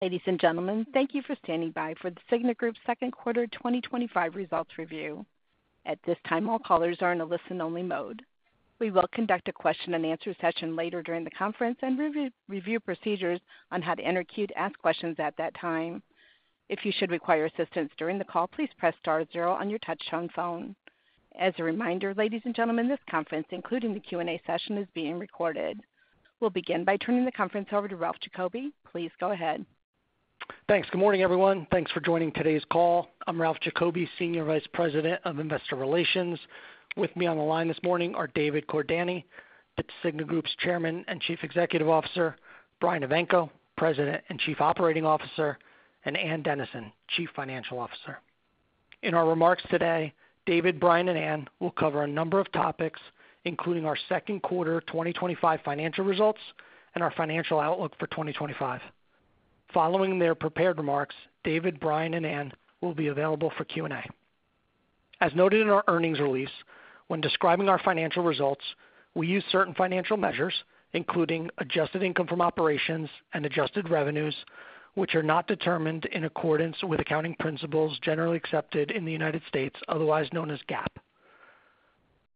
Ladies and gentlemen, thank you for standing by for The Cigna Group's second quarter 2025 results review. At this time, all callers are in a listen-only mode. We will conduct a question-and-answer session later during the conference and review procedures on how to enter queue to ask questions at that time. If you should require assistance during the call, please press star zero on your touch-tone phone. As a reminder, ladies and gentlemen, this conference, including the Q&A session, is being recorded. We'll begin by turning the conference over to Ralph Giacobbe. Please go ahead. Thanks. Good morning, everyone. Thanks for joining today's call. I'm Ralph Giacobbe, Senior Vice President of Investor Relations. With me on the line this morning are David Cordani, The Cigna Group's Chairman and Chief Executive Officer, Brian Evanko, President and Chief Operating Officer, and Ann Dennison, Chief Financial Officer. In our remarks today, David, Brian, and Ann will cover a number of topics, including our second quarter 2025 financial results and our financial outlook for 2025. Following their prepared remarks, David, Brian, and Ann will be available for Q&A. As noted in our earnings release, when describing our financial results, we use certain financial measures, including adjusted income from operations and adjusted revenues, which are not determined in accordance with accounting principles generally accepted in the U.S., otherwise known as GAAP.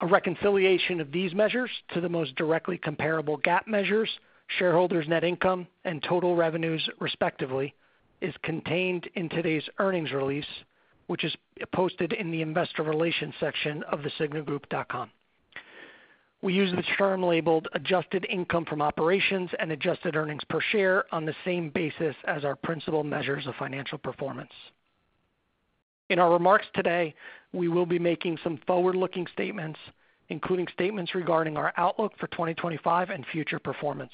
A reconciliation of these measures to the most directly comparable GAAP measures, shareholders' net income, and total revenues, respectively, is contained in today's earnings release, which is posted in the investor relations section of thecignagroup.com. We use the term labeled adjusted income from operations and adjusted earnings per share on the same basis as our principal measures of financial performance. In our remarks today, we will be making some forward-looking statements, including statements regarding our outlook for 2025 and future performance.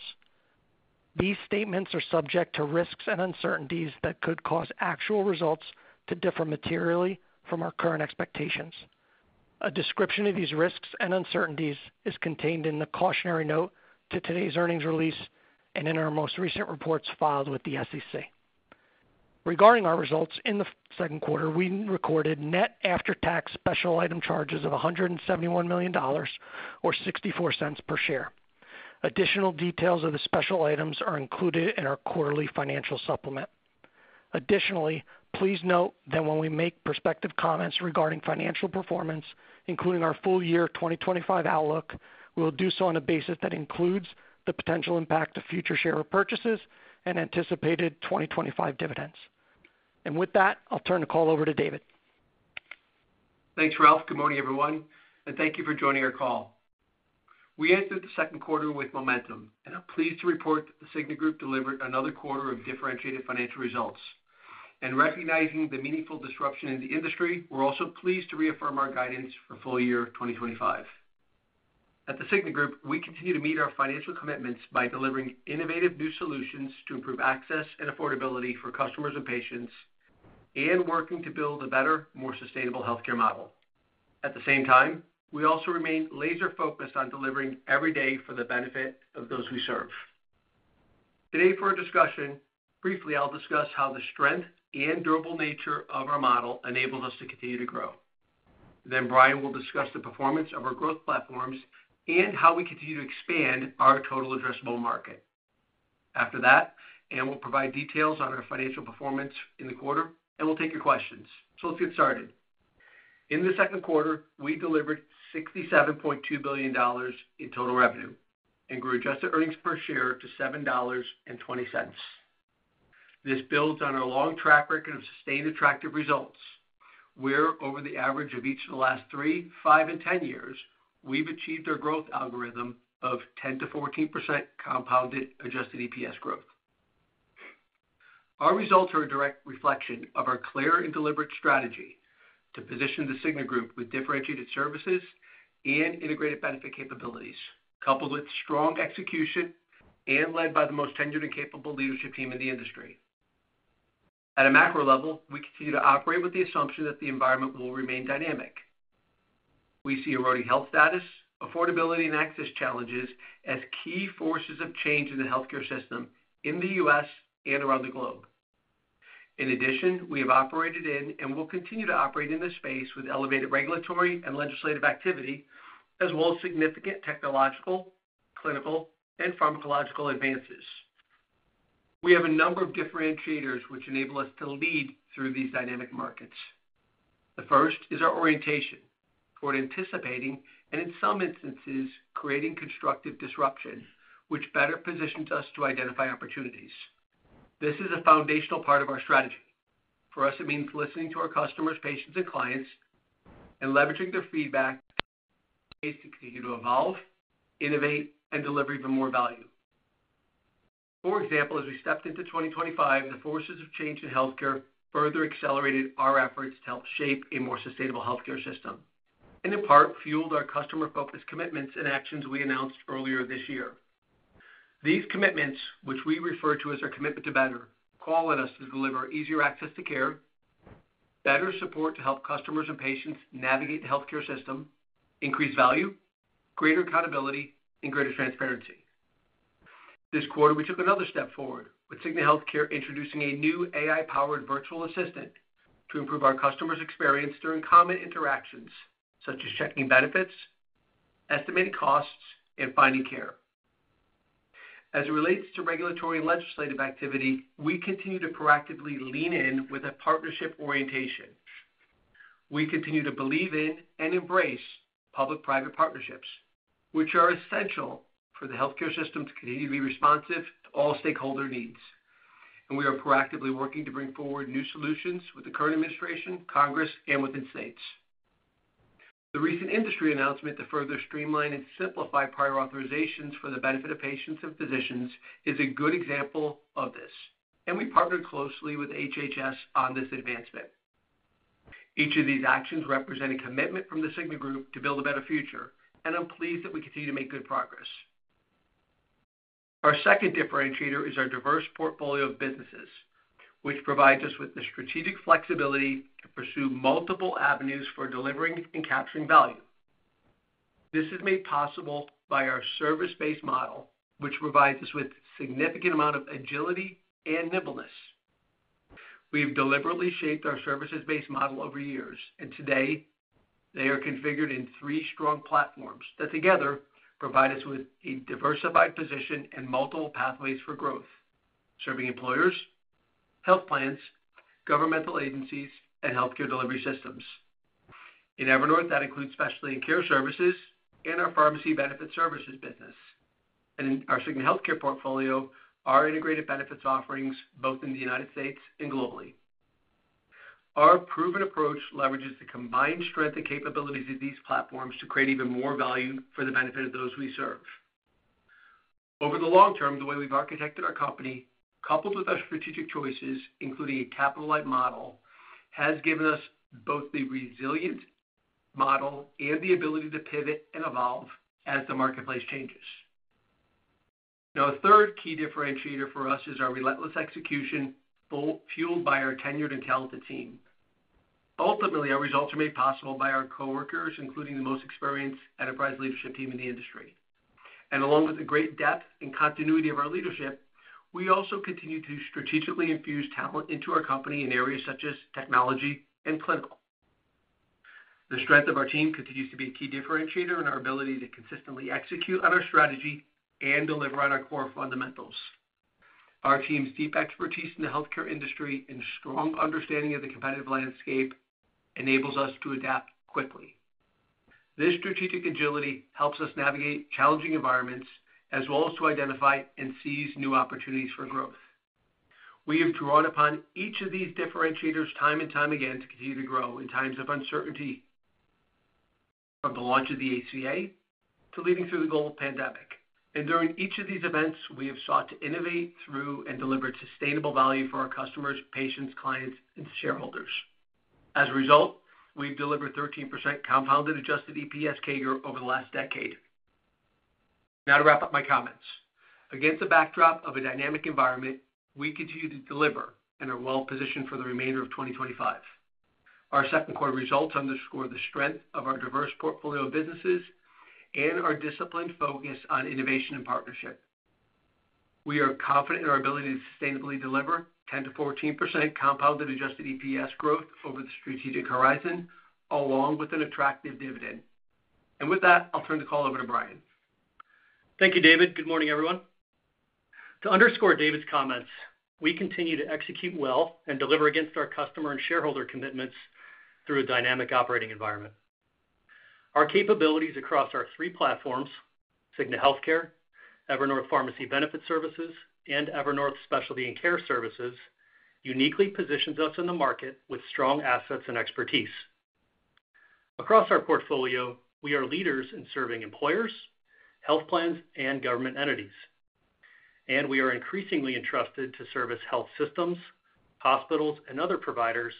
These statements are subject to risks and uncertainties that could cause actual results to differ materially from our current expectations. A description of these risks and uncertainties is contained in the cautionary note to today's earnings release and in our most recent reports filed with the SEC. Regarding our results in the second quarter, we recorded net after-tax special item charges of $171 million, or $0.64 per share. Additional details of the special items are included in our quarterly financial supplement. Additionally, please note that when we make prospective comments regarding financial performance, including our full year 2025 outlook, we will do so on a basis that includes the potential impact of future share purchases and anticipated 2025 dividends. With that, I'll turn the call over to David. Thanks, Ralph. Good morning, everyone, and thank you for joining our call. We entered the second quarter with momentum, and I'm pleased to report that The Cigna Group delivered another quarter of differentiated financial results. In recognizing the meaningful disruption in the industry, we're also pleased to reaffirm our guidance for full year 2025. At The Cigna Group, we continue to meet our financial commitments by delivering innovative new solutions to improve access and affordability for customers and patients, and working to build a better, more sustainable healthcare model. At the same time, we also remain laser-focused on delivering every day for the benefit of those we serve. Today, for our discussion, briefly, I'll discuss how the strength and durable nature of our model enables us to continue to grow. Brian will discuss the performance of our growth platforms and how we continue to expand our total addressable market. After that, Ann will provide details on our financial performance in the quarter, and we'll take your questions. Let's get started. In the second quarter, we delivered $67.2 billion in total revenue and grew adjusted earnings per share to $7.20. This builds on our long track record of sustained attractive results, where, over the average of each of the last three, five, and ten years, we've achieved our growth algorithm of 10%-14% compounded adjusted EPS growth. Our results are a direct reflection of our clear and deliberate strategy to position The Cigna Group with differentiated services and integrated benefit capabilities, coupled with strong execution and led by the most tenured and capable leadership team in the industry. At a macro level, we continue to operate with the assumption that the environment will remain dynamic. We see eroding health status, affordability, and access challenges as key forces of change in the healthcare system in the U.S. and around the globe. In addition, we have operated in and will continue to operate in this space with elevated regulatory and legislative activity, as well as significant technological, clinical, and pharmacological advances. We have a number of differentiators which enable us to lead through these dynamic markets. The first is our orientation toward anticipating and, in some instances, creating constructive disruption, which better positions us to identify opportunities. This is a foundational part of our strategy. For us, it means listening to our customers, patients, and clients, and leveraging their feedback to continue to evolve, innovate, and deliver even more value. For example, as we stepped into 2025, the forces of change in healthcare further accelerated our efforts to help shape a more sustainable healthcare system and, in part, fueled our customer-focused commitments and actions we announced earlier this year. These commitments, which we refer to as our commitment to better, call on us to deliver easier access to care, better support to help customers and patients navigate the healthcare system, increased value, greater accountability, and greater transparency. This quarter, we took another step forward with Cigna Healthcare introducing a new AI-powered virtual assistant to improve our customers' experience during common interactions, such as checking benefits, estimating costs, and finding care. As it relates to regulatory and legislative activity, we continue to proactively lean in with a partnership orientation. We continue to believe in and embrace public-private partnerships, which are essential for the healthcare system to continue to be responsive to all stakeholder needs. We are proactively working to bring forward new solutions with the current administration, Congress, and within states. The recent industry announcement to further streamline and simplify prior authorizations for the benefit of patients and physicians is a good example of this, and we partnered closely with HHS on this advancement. Each of these actions represents a commitment from The Cigna Group to build a better future, and I'm pleased that we continue to make good progress. Our second differentiator is our diverse portfolio of businesses, which provides us with the strategic flexibility to pursue multiple avenues for delivering and capturing value. This is made possible by our service-based model, which provides us with a significant amount of agility and nimbleness. We have deliberately shaped our services-based model over years, and today they are configured in three strong platforms that together provide us with a diversified position and multiple pathways for growth, serving employers, health plans, governmental agencies, and healthcare delivery systems. In Evernorth, that includes specialty and care services and our pharmacy benefit services business. In our Cigna Healthcare portfolio, our integrated benefits offerings both in the U.S. and globally. Our proven approach leverages the combined strength and capabilities of these platforms to create even more value for the benefit of those we serve. Over the long term, the way we've architected our company, coupled with our strategic choices, including a capital-light, service-based model, has given us both the resilient model and the ability to pivot and evolve as the marketplace changes. Now, a third key differentiator for us is our relentless execution, fueled by our tenured and talented team. Ultimately, our results are made possible by our coworkers, including the most experienced enterprise leadership team in the industry. Along with the great depth and continuity of our leadership, we also continue to strategically infuse talent into our company in areas such as technology and clinical. The strength of our team continues to be a key differentiator in our ability to consistently execute on our strategy and deliver on our core fundamentals. Our team's deep expertise in the healthcare industry and strong understanding of the competitive landscape enables us to adapt quickly. This strategic agility helps us navigate challenging environments, as well as to identify and seize new opportunities for growth. We have drawn upon each of these differentiators time and time again to continue to grow in times of uncertainty, from the launch of the ACA to leading through the global pandemic. During each of these events, we have sought to innovate through and deliver sustainable value for our customers, patients, clients, and shareholders. As a result, we've delivered 13% compounded adjusted EPS CAGR over the last decade. Now, to wrap up my comments. Against the backdrop of a dynamic environment, we continue to deliver and are well-positioned for the remainder of 2025. Our second quarter results underscore the strength of our diverse portfolio of businesses and our disciplined focus on innovation and partnership. We are confident in our ability to sustainably deliver 10%-14% compounded adjusted EPS growth over the strategic horizon, along with an attractive dividend. With that, I'll turn the call over to Brian. Thank you, David. Good morning, everyone. To underscore David's comments, we continue to execute well and deliver against our customer and shareholder commitments through a dynamic operating environment. Our capabilities across our three platforms, Cigna Healthcare, Evernorth Pharmacy Benefit Services, and Evernorth Specialty and Care Services, uniquely position us in the market with strong assets and expertise. Across our portfolio, we are leaders in serving employers, health plans, and government entities. We are increasingly entrusted to service health systems, hospitals, and other providers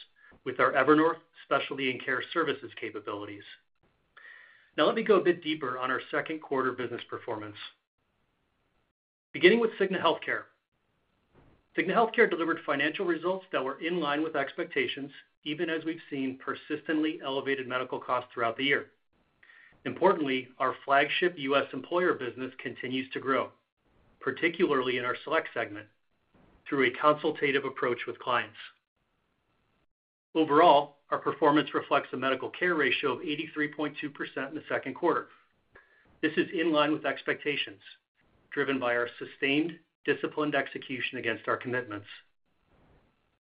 with our Evernorth Specialty and Care Services capabilities. Now, let me go a bit deeper on our second quarter business performance. Beginning with Cigna Healthcare. Cigna Healthcare delivered financial results that were in line with expectations, even as we've seen persistently elevated medical costs throughout the year. Importantly, our flagship U.S. employer business continues to grow, particularly in our select segment, through a consultative approach with clients. Overall, our performance reflects a medical care ratio of 83.2% in the second quarter. This is in line with expectations, driven by our sustained, disciplined execution against our commitments.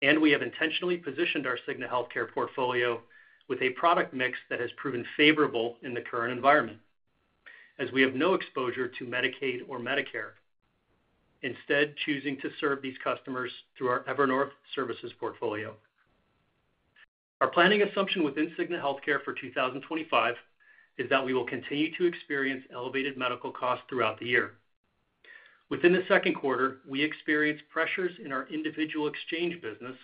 We have intentionally positioned our Cigna Healthcare portfolio with a product mix that has proven favorable in the current environment, as we have no exposure to Medicaid or Medicare, instead choosing to serve these customers through our Evernorth Services portfolio. Our planning assumption within Cigna Healthcare for 2025 is that we will continue to experience elevated medical costs throughout the year. Within the second quarter, we experienced pressures in our individual exchange business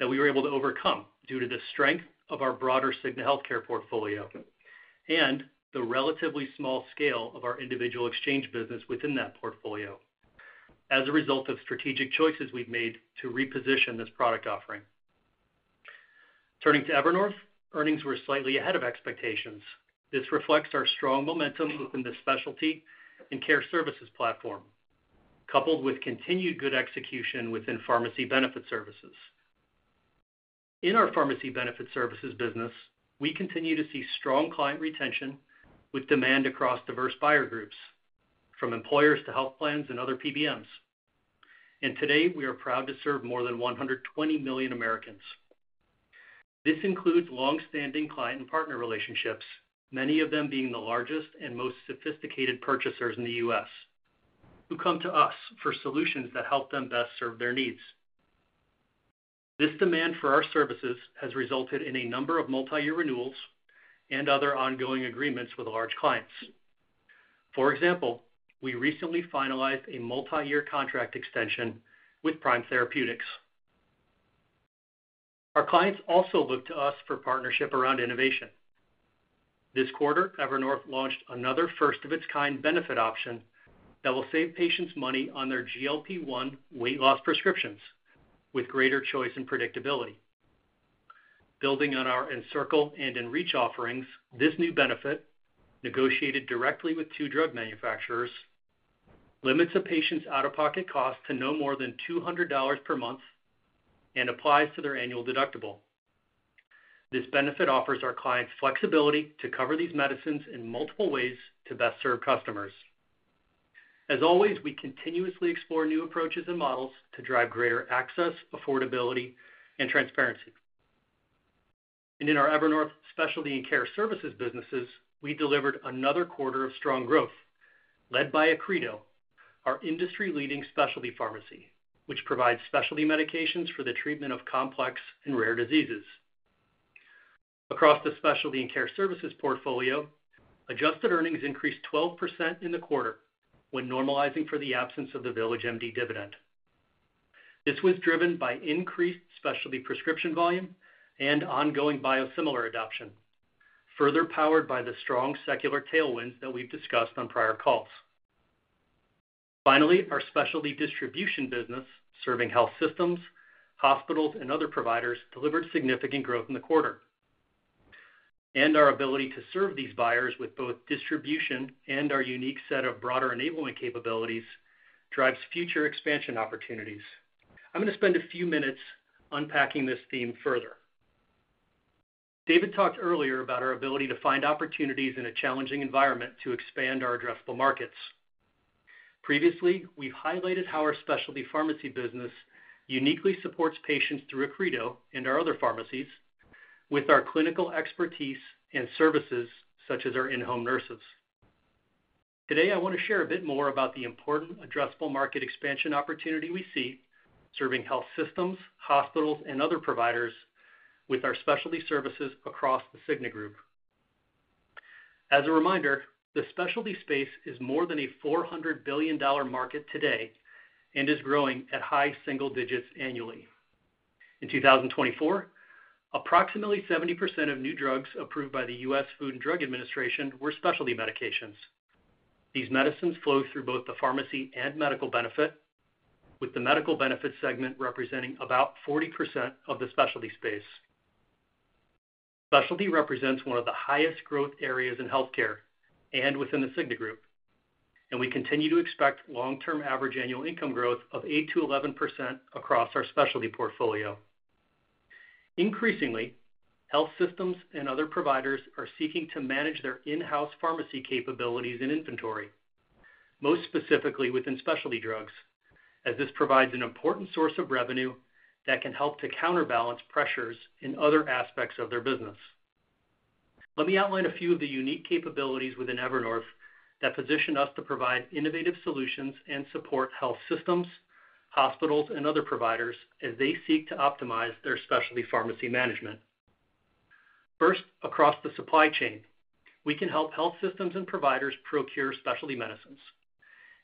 that we were able to overcome due to the strength of our broader Cigna Healthcare portfolio and the relatively small scale of our individual exchange business within that portfolio, as a result of strategic choices we've made to reposition this product offering. Turning to Evernorth, earnings were slightly ahead of expectations. This reflects our strong momentum within the Specialty and Care Services platform, coupled with continued good execution within Pharmacy Benefit Services. In our Pharmacy Benefit Services business, we continue to see strong client retention with demand across diverse buyer groups, from employers to health plans and other PBMs. Today, we are proud to serve more than 120 million Americans. This includes long-standing client and partner relationships, many of them being the largest and most sophisticated purchasers in the U.S., who come to us for solutions that help them best serve their needs. This demand for our services has resulted in a number of multi-year renewals and other ongoing agreements with large clients. For example, we recently finalized a multi-year contract extension with Prime Therapeutics. Our clients also look to us for partnership around innovation. This quarter, Evernorth launched another first-of-its-kind benefit option that will save patients money on their GLP-1 weight loss prescriptions with greater choice and predictability. Building on our Encircle and Enreach offerings, this new benefit, negotiated directly with two drug manufacturers, limits a patient's out-of-pocket cost to no more than $200 per month and applies to their annual deductible. This benefit offers our clients flexibility to cover these medicines in multiple ways to best serve customers. We continuously explore new approaches and models to drive greater access, affordability, and transparency. In our Evernorth Specialty and Care Services businesses, we delivered another quarter of strong growth, led by Accredo, our industry-leading specialty pharmacy, which provides specialty medications for the treatment of complex and rare diseases. Across the Specialty and Care Services portfolio, adjusted earnings increased 12% in the quarter when normalizing for the absence of the VillageMD dividend. This was driven by increased specialty prescription volume and ongoing biosimilar adoption, further powered by the strong secular tailwinds that we've discussed on prior calls. Finally, our specialty distribution business, serving health systems, hospitals, and other providers, delivered significant growth in the quarter. Our ability to serve these buyers with both distribution and our unique set of broader enablement capabilities drives future expansion opportunities. I'm going to spend a few minutes unpacking this theme further. David talked earlier about our ability to find opportunities in a challenging environment to expand our addressable markets. Previously, we've highlighted how our specialty pharmacy business uniquely supports patients through Accredo and our other pharmacies with our clinical expertise and services such as our in-home nurses. Today, I want to share a bit more about the important addressable market expansion opportunity we see serving health systems, hospitals, and other providers with our specialty services across The Cigna Group. As a reminder, the specialty space is more than a $400 billion market today and is growing at high single digits annually. In 2024, approximately 70% of new drugs approved by the U.S. Food and Drug Administration were specialty medications. These medicines flow through both the pharmacy and medical benefit, with the medical benefit segment representing about 40% of the specialty space. Specialty represents one of the highest growth areas in healthcare and within The Cigna Group, and we continue to expect long-term average annual income growth of 8%-11% across our specialty portfolio. Increasingly, health systems and other providers are seeking to manage their in-house pharmacy capabilities and inventory, most specifically within specialty drugs, as this provides an important source of revenue that can help to counterbalance pressures in other aspects of their business. Let me outline a few of the unique capabilities within Evernorth that position us to provide innovative solutions and support health systems, hospitals, and other providers as they seek to optimize their specialty pharmacy management. First, across the supply chain, we can help health systems and providers procure specialty medicines,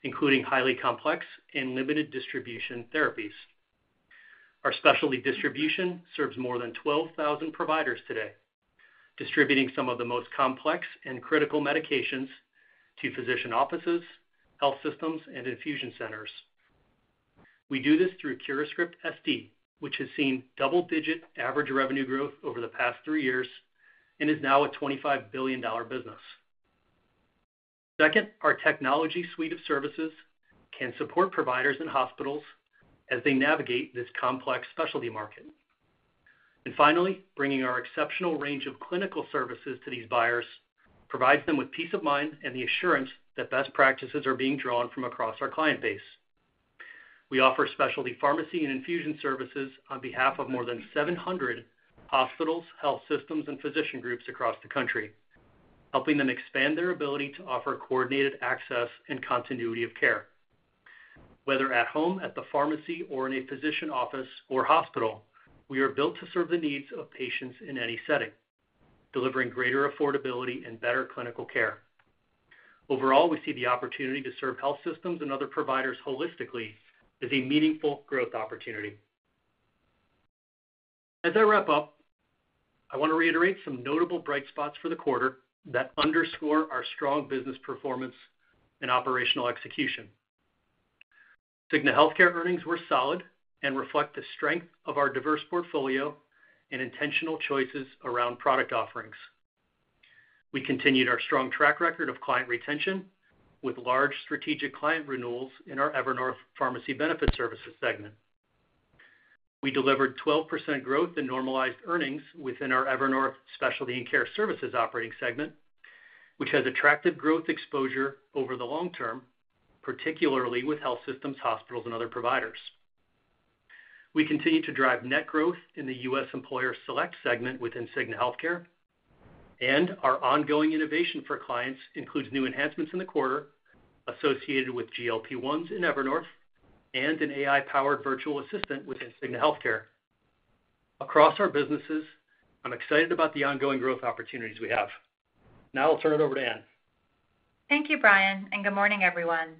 including highly complex and limited distribution therapies. Our specialty distribution serves more than 12,000 providers today, distributing some of the most complex and critical medications to physician offices, health systems, and infusion centers. We do this through, which has seen double-digit average revenue growth over the past three years and is now a $25 billion business. Second, our technology suite of services can support providers and hospitals as they navigate this complex specialty market. Finally, bringing our exceptional range of clinical services to these buyers provides them with peace of mind and the assurance that best practices are being drawn from across our client base. We offer specialty pharmacy and infusion services on behalf of more than 700 hospitals, health systems, and physician groups across the country, helping them expand their ability to offer coordinated access and continuity of care. Whether at home, at the pharmacy, or in a physician office or hospital, we are built to serve the needs of patients in any setting, delivering greater affordability and better clinical care. Overall, we see the opportunity to serve health systems and other providers holistically as a meaningful growth opportunity. As I wrap up, I want to reiterate some notable bright spots for the quarter that underscore our strong business performance and operational execution. Cigna Healthcare earnings were solid and reflect the strength of our diverse portfolio and intentional choices around product offerings. We continued our strong track record of client retention with large strategic client renewals in our Evernorth Pharmacy Benefit Services segment. We delivered 12% growth in normalized earnings within our Evernorth Specialty and Care Services operating segment, which has attractive growth exposure over the long term, particularly with health systems, hospitals, and other providers. We continue to drive net growth in the U.S. employer select segment within Cigna Healthcare, and our ongoing innovation for clients includes new enhancements in the quarter associated with GLP-1 drugs in Evernorth and an AI-powered virtual assistant within Cigna Healthcare. Across our businesses, I'm excited about the ongoing growth opportunities we have. Now, I'll turn it over to Ann. Thank you, Brian. Good morning, everyone.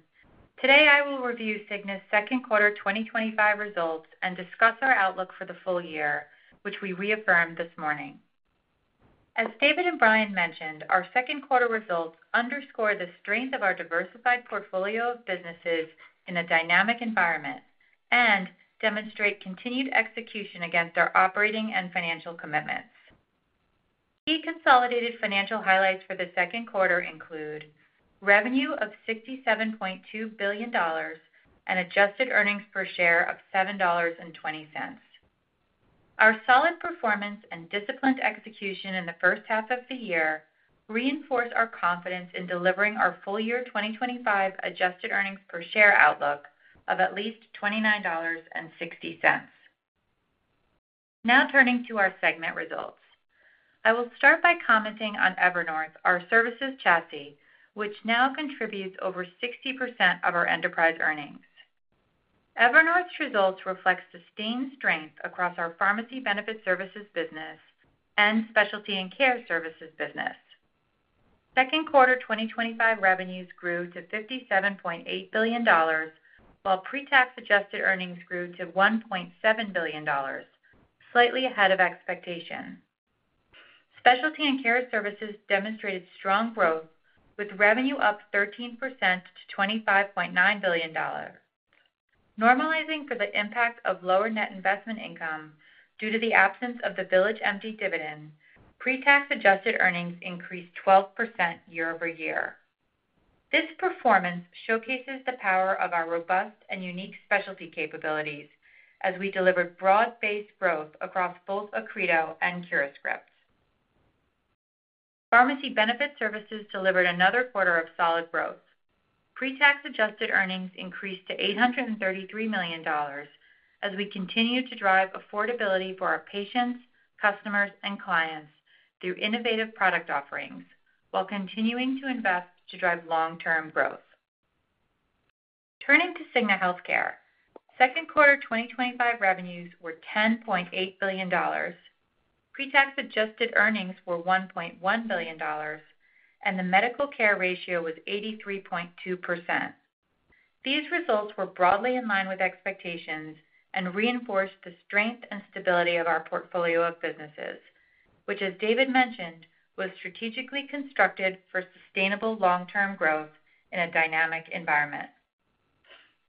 Today, I will review The Cigna Group's second quarter 2025 results and discuss our outlook for the full year, which we reaffirmed this morning. As David and Brian mentioned, our second quarter results underscore the strength of our diversified portfolio of businesses in a dynamic environment and demonstrate continued execution against our operating and financial commitments. Key consolidated financial highlights for the second quarter include revenue of $67.2 billion and adjusted earnings per share of $7.20. Our solid performance and disciplined execution in the first half of the year reinforce our confidence in delivering our full year 2025 adjusted earnings per share outlook of at least $29.60. Now, turning to our segment results, I will start by commenting on Evernorth, our services chassis, which now contributes over 60% of our enterprise earnings. Evernorth's results reflect sustained strength across our pharmacy benefit services business and specialty and care services business. Second quarter 2025 revenues grew to $57.8 billion, while pre-tax adjusted earnings grew to $1.7 billion, slightly ahead of expectation. Specialty and care services demonstrated strong growth, with revenue up 13% to $25.9 billion. Normalizing for the impact of lower net investment income due to the absence of the VillageMD dividend, pre-tax adjusted earnings increased 12% year-over-year. This performance showcases the power of our robust and unique specialty capabilities as we delivered broad-based growth across both Accredo and CuraScript. Pharmacy benefit services delivered another quarter of solid growth. Pre-tax adjusted earnings increased to $833 million as we continue to drive affordability for our patients, customers, and clients through innovative product offerings, while continuing to invest to drive long-term growth. Turning to Cigna Healthcare, second quarter 2025 revenues were $10.8 billion. Pre-tax adjusted earnings were $1.1 billion, and the medical care ratio was 83.2%. These results were broadly in line with expectations and reinforced the strength and stability of our portfolio of businesses, which, as David mentioned, was strategically constructed for sustainable long-term growth in a dynamic environment.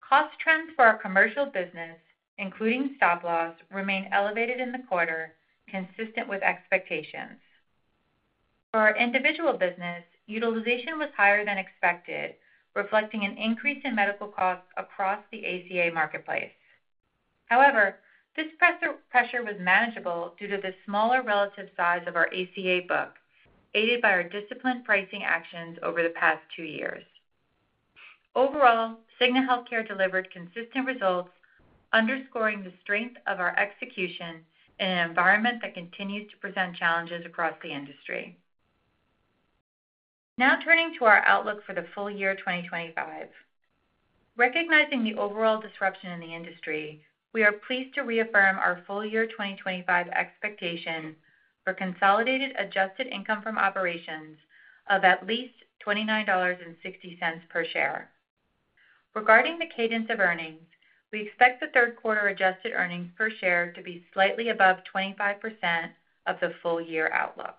Cost trends for our commercial business, including stop-loss, remained elevated in the quarter, consistent with expectations. For our individual business, utilization was higher than expected, reflecting an increase in medical costs across the ACA marketplace. However, this pressure was manageable due to the smaller relative size of our ACA book, aided by our disciplined pricing actions over the past two years. Overall, Cigna Healthcare delivered consistent results, underscoring the strength of our execution in an environment that continues to present challenges across the industry. Now, turning to our outlook for the full year 2025. Recognizing the overall disruption in the industry, we are pleased to reaffirm our full year 2025 expectation for consolidated adjusted income from operations of at least $29.60 per share. Regarding the cadence of earnings, we expect the third quarter adjusted earnings per share to be slightly above 25% of the full year outlook.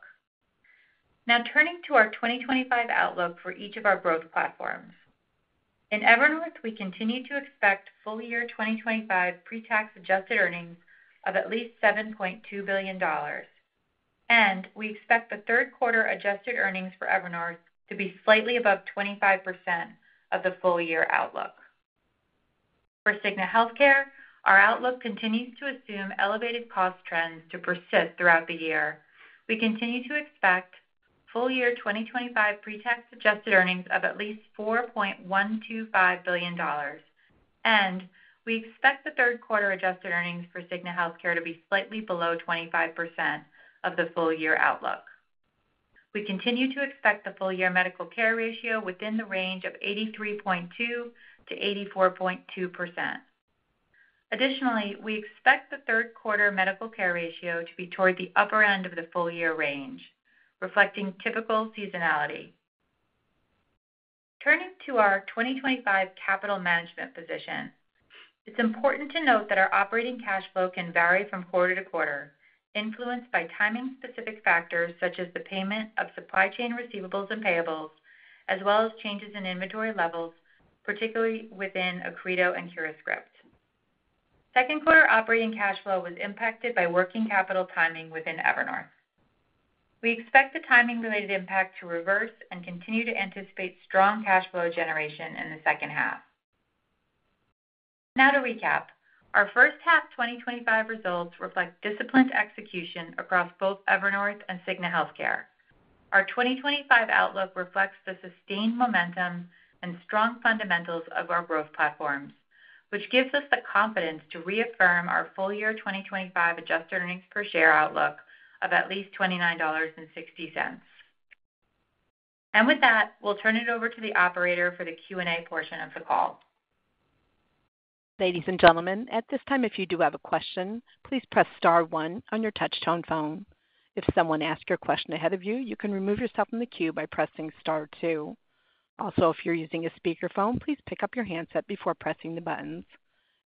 Now, turning to our 2025 outlook for each of our growth platforms. In Evernorth, we continue to expect full year 2025 pre-tax adjusted earnings of at least $7.2 billion. We expect the third quarter adjusted earnings for Evernorth to be slightly above 25% of the full year outlook. For Cigna Healthcare, our outlook continues to assume elevated cost trends to persist throughout the year. We continue to expect full year 2025 pre-tax adjusted earnings of at least $4.125 billion. We expect the third quarter adjusted earnings for Cigna Healthcare to be slightly below 25% of the full year outlook. We continue to expect the full year medical care ratio within the range of 83.2%-84.2%. Additionally, we expect the third quarter medical care ratio to be toward the upper end of the full year range, reflecting typical seasonality. Turning to our 2025 capital management position. It's important to note that our operating cash flow can vary from quarter to quarter, influenced by timing-specific factors such as the payment of supply chain receivables and payables, as well as changes in inventory levels, particularly within Accredo and CuraScript SD. Second quarter operating cash flow was impacted by working capital timing within Evernorth. We expect the timing-related impact to reverse and continue to anticipate strong cash flow generation in the second half. To recap, our first half 2025 results reflect disciplined execution across both Evernorth and Cigna Healthcare. Our 2025 outlook reflects the sustained momentum and strong fundamentals of our growth platforms, which gives us the confidence to reaffirm our full year 2025 adjusted earnings per share outlook of at least $29.60. With that, we'll turn it over to the operator for the Q&A portion of the call. Ladies and gentlemen, at this time, if you do have a question, please press Star 1 on your touch-tone phone. If someone asked your question ahead of you, you can remove yourself from the queue by pressing Star 2. If you're using a speakerphone, please pick up your handset before pressing the buttons.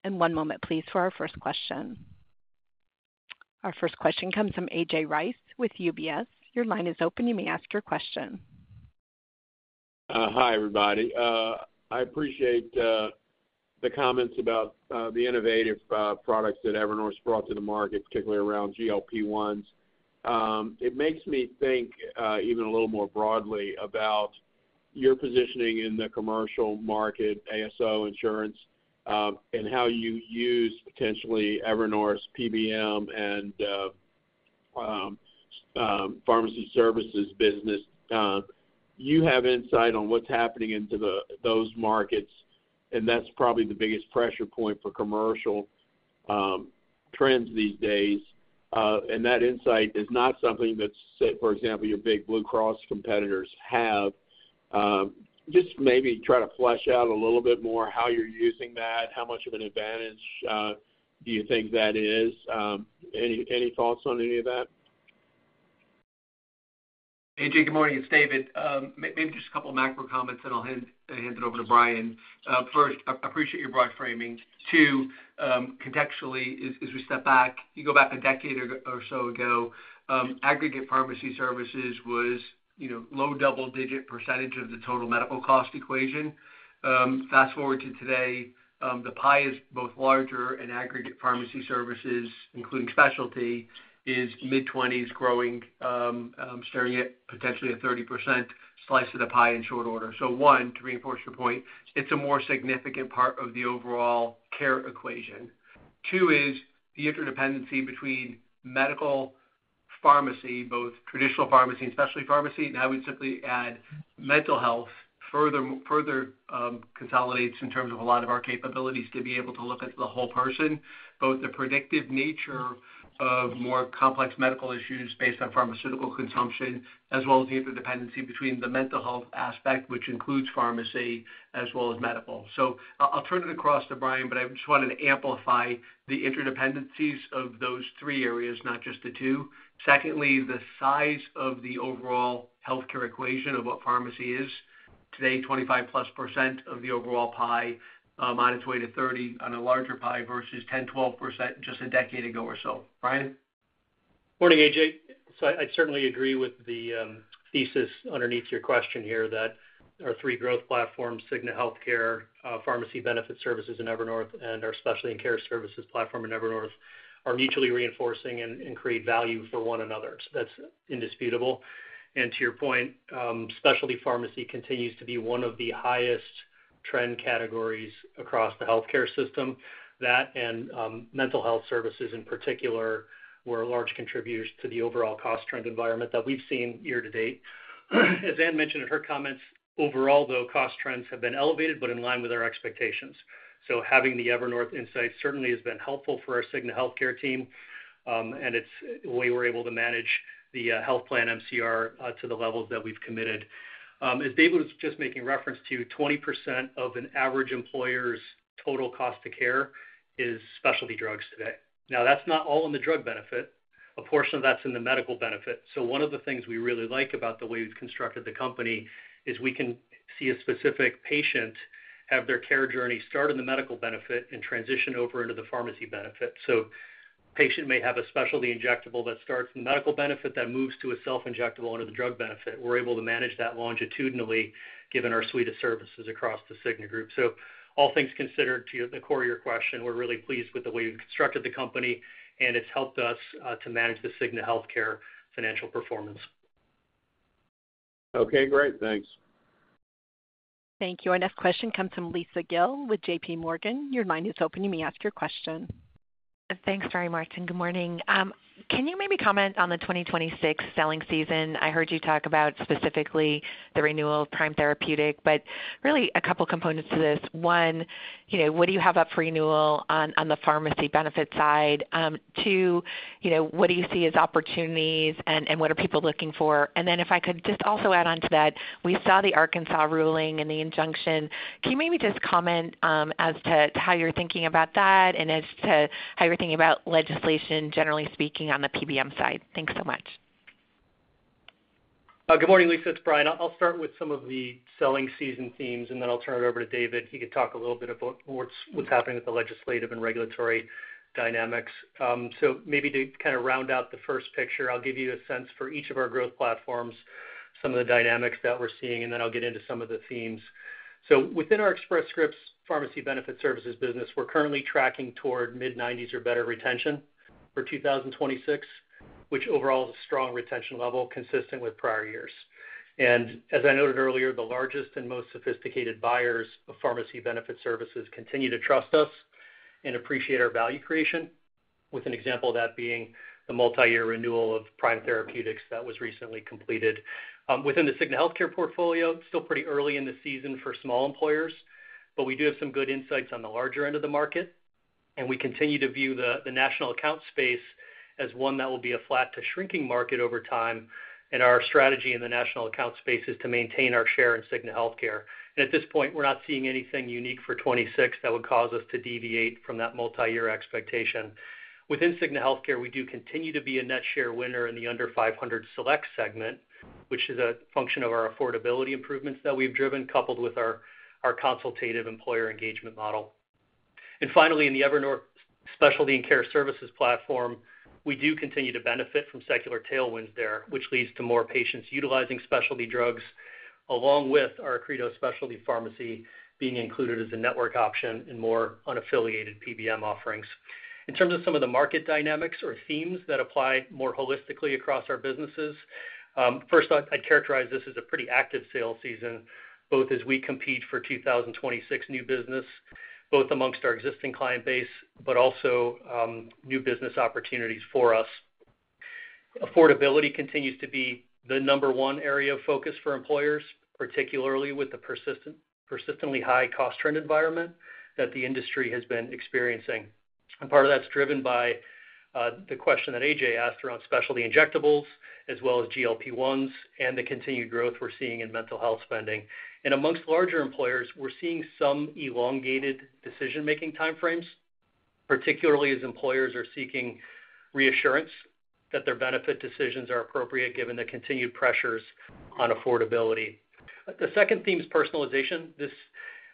One moment, please, for our first question. Our first question comes from A.J. Rice with UBS. Your line is open. You may ask your question. Hi, everybody. I appreciate the comments about the innovative products that Evernorth has brought to the market, particularly around GLP-1 drugs. It makes me think even a little more broadly about your positioning in the commercial market, ASO insurance, and how you use potentially Evernorth's PBM and pharmacy services business. You have insight on what's happening in those markets, and that's probably the biggest pressure point for commercial trends these days. That insight is not something that, say, for example, your big Blue Cross competitors have. Just maybe try to flesh out a little bit more how you're using that, how much of an advantage do you think that is. Any thoughts on any of that? AJ, good morning. It's David. Maybe just a couple of macro comments, and I'll hand it over to Brian. First, I appreciate your broad framing. Two, contextually, as we step back, you go back a decade or so ago, aggregate pharmacy services was low double-digit % of the total medical cost equation. Fast forward to today, the pie is both larger and aggregate pharmacy services, including specialty, is mid-20s, growing, staring at potentially a 30% slice of the pie in short order. One, to reinforce your point, it's a more significant part of the overall care equation. Two is the interdependency between medical, pharmacy, both traditional pharmacy and specialty pharmacy, and I would simply add mental health further consolidates in terms of a lot of our capabilities to be able to look at the whole person, both the predictive nature of more complex medical issues based on pharmaceutical consumption, as well as the interdependency between the mental health aspect, which includes pharmacy as well as medical. I'll turn it across to Brian, but I just wanted to amplify the interdependencies of those three areas, not just the two. Secondly, the size of the overall healthcare equation of what pharmacy is today, 25+% of the overall pie on its way to 30% on a larger pie versus 10%-12% just a decade ago or so. Brian? Morning, A.J. So I certainly agree with the thesis underneath your question here that our three growth platforms, Cigna Healthcare, Pharmacy Benefit Services in Evernorth, and our Specialty and Care Services platform in Evernorth, are mutually reinforcing and create value for one another. That's indisputable. To your point, specialty pharmacy continues to be one of the highest trend categories across the healthcare system. That and mental health services in particular were large contributors to the overall cost trend environment that we've seen year to date. As Ann mentioned in her comments, overall, though cost trends have been elevated, they're in line with our expectations. Having the Evernorth insight certainly has been helpful for our Cigna Healthcare team, and it's the way we're able to manage the health plan medical care ratio to the levels that we've committed. As David was just making reference to, 20% of an average employer's total cost of care is specialty drugs today. Now, that's not all in the drug benefit. A portion of that's in the medical benefit. One of the things we really like about the way we've constructed the company is we can see a specific patient have their care journey start in the medical benefit and transition over into the pharmacy benefit. A patient may have a specialty injectable that starts in the medical benefit that moves to a self-injectable under the drug benefit. We're able to manage that longitudinally given our suite of services across The Cigna Group. All things considered, to the core of your question, we're really pleased with the way we've constructed the company, and it's helped us to manage the Cigna Healthcare financial performance. Okay. Great, thanks. Thank you. Our next question comes from Lisa Gill with J.P. Morgan. Your line is open. You may ask your question. Thanks, Brian Evanko. Good morning. Can you maybe comment on the 2026 selling season? I heard you talk about specifically the renewal of Prime Therapeutics, but really a couple of components to this. One, what do you have up for renewal on the pharmacy benefit side? Two, what do you see as opportunities, and what are people looking for? If I could just also add on to that, we saw the Arkansas ruling and the injunction. Can you maybe just comment as to how you're thinking about that and as to how you're thinking about legislation, generally speaking, on the PBM side? Thanks so much. Good morning, Lisa. It's Brian. I'll start with some of the selling season themes, and then I'll turn it over to David. He can talk a little bit about what's happening with the legislative and regulatory dynamics. Maybe to kind of round out the first picture, I'll give you a sense for each of our growth platforms, some of the dynamics that we're seeing, and then I'll get into some of the themes. Within our Express Scripts pharmacy benefit services business, we're currently tracking toward mid-90% or better retention for 2026, which overall is a strong retention level consistent with prior years. As I noted earlier, the largest and most sophisticated buyers of pharmacy benefit services continue to trust us and appreciate our value creation, with an example of that being the multi-year renewal of Prime Therapeutics that was recently completed. Within the Cigna Healthcare portfolio, it's still pretty early in the season for small employers, but we do have some good insights on the larger end of the market. We continue to view the national account space as one that will be a flat to shrinking market over time. Our strategy in the national account space is to maintain our share in Cigna Healthcare. At this point, we're not seeing anything unique for 2026 that would cause us to deviate from that multi-year expectation. Within Cigna Healthcare, we do continue to be a net share winner in the under-500 select segment, which is a function of our affordability improvements that we've driven, coupled with our consultative employer engagement model. Finally, in the Evernorth Specialty and Care Services platform, we do continue to benefit from secular tailwinds there, which leads to more patients utilizing specialty drugs, along with our Accredo specialty pharmacy being included as a network option in more unaffiliated PBM offerings. In terms of some of the market dynamics or themes that apply more holistically across our businesses, first, I'd characterize this as a pretty active sales season as we compete for 2026 new business, both amongst our existing client base and also new business opportunities for us. Affordability continues to be the number one area of focus for employers, particularly with the persistently high cost trend environment that the industry has been experiencing. Part of that's driven by. The question that A.J. asked around specialty injectables, as well as GLP-1 drugs and the continued growth we're seeing in mental health spending. Amongst larger employers, we're seeing some elongated decision-making time frames, particularly as employers are seeking reassurance that their benefit decisions are appropriate given the continued pressures on affordability. The second theme is personalization. This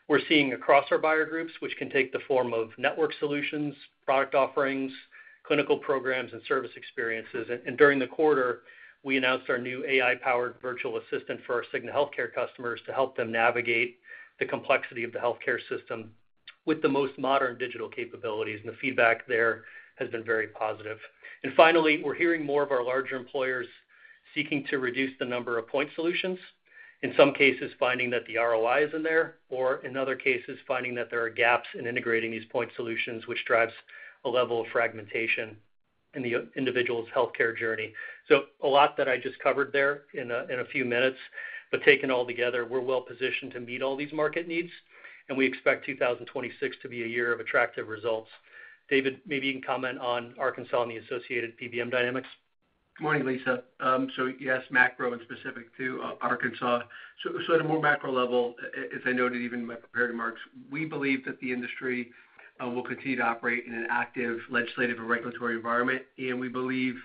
we're seeing across our buyer groups, which can take the form of network solutions, product offerings, clinical programs, and service experiences. During the quarter, we announced our new AI-powered virtual assistant for our Cigna Healthcare customers to help them navigate the complexity of the healthcare system with the most modern digital capabilities. The feedback there has been very positive. Finally, we're hearing more of our larger employers seeking to reduce the number of point solutions, in some cases finding that the ROI isn't there, or in other cases, finding that there are gaps in integrating these point solutions, which drives a level of fragmentation in the individual's healthcare journey. A lot that I just covered there in a few minutes, but taken all together, we're well-positioned to meet all these market needs, and we expect 2026 to be a year of attractive results. David, maybe you can comment on Arkansas and the associated PBM dynamics. Good morning, Lisa. Yes, macro and specific to Arkansas. At a more macro level, as I noted even in my prepared remarks, we believe that the industry will continue to operate in an active legislative and regulatory environment. We believe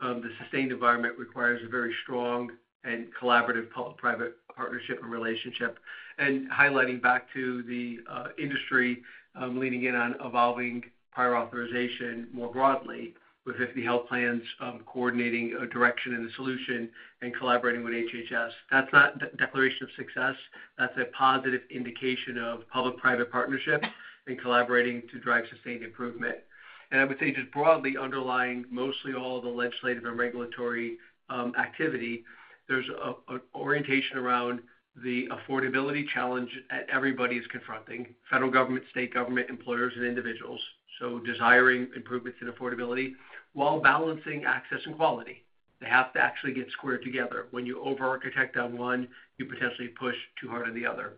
the sustained environment requires a very strong and collaborative public-private partnership and relationship. Highlighting back to the industry leading in on evolving prior authorization more broadly with the health plans coordinating a direction and a solution and collaborating with HHS, that's not a declaration of success. That's a positive indication of public-private partnership and collaborating to drive sustained improvement. I would say just broadly underlying mostly all of the legislative and regulatory activity, there's an orientation around the affordability challenge that everybody is confronting: federal government, state government, employers, and individuals. Desiring improvements in affordability while balancing access and quality, they have to actually get squared together. When you over-architect on one, you potentially push too hard on the other.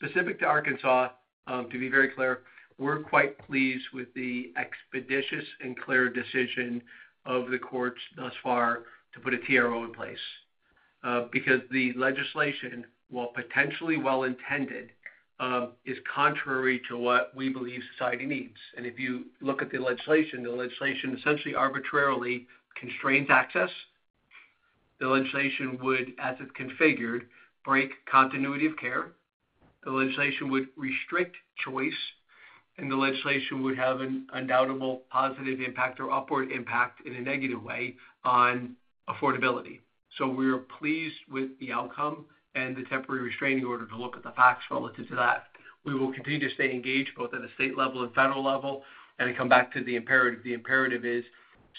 Specific to Arkansas, to be very clear, we're quite pleased with the expeditious and clear decision of the courts thus far to put a TRO in place. The legislation, while potentially well-intended, is contrary to what we believe society needs. If you look at the legislation, the legislation essentially arbitrarily constrains access. The legislation would, as it's configured, break continuity of care. The legislation would restrict choice. The legislation would have an undoubtable positive impact or upward impact in a negative way on affordability. We are pleased with the outcome and the temporary restraining order to look at the facts relative to that. We will continue to stay engaged both at the state level and federal level. I come back to the imperative. The imperative is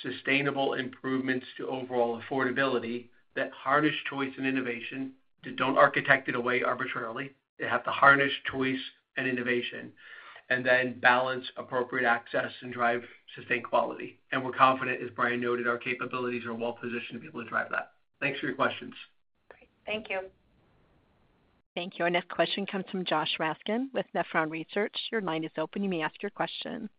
sustainable improvements to overall affordability that harness choice and innovation. Don't architect it away arbitrarily. They have to harness choice and innovation and then balance appropriate access and drive sustained quality. We're confident, as Brian noted, our capabilities are well-positioned to be able to drive that. Thanks for your questions. Great. Thank you. Thank you. Our next question comes from Joshua Raskin with Nephron Research. Your line is open. You may ask your question.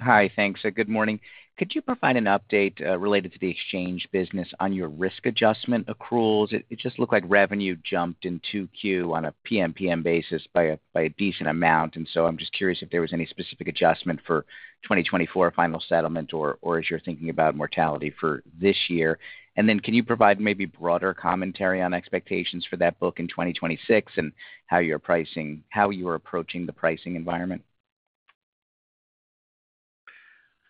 Hi, thanks. Good morning. Could you provide an update related to the individual exchange business on your risk adjustment accruals? It just looked like revenue jumped in Q2 on a PMPM basis by a decent amount. I'm just curious if there was any specific adjustment for 2024 final settlement or as you're thinking about mortality for this year. Could you provide maybe broader commentary on expectations for that book in 2026 and how you're approaching the pricing environment?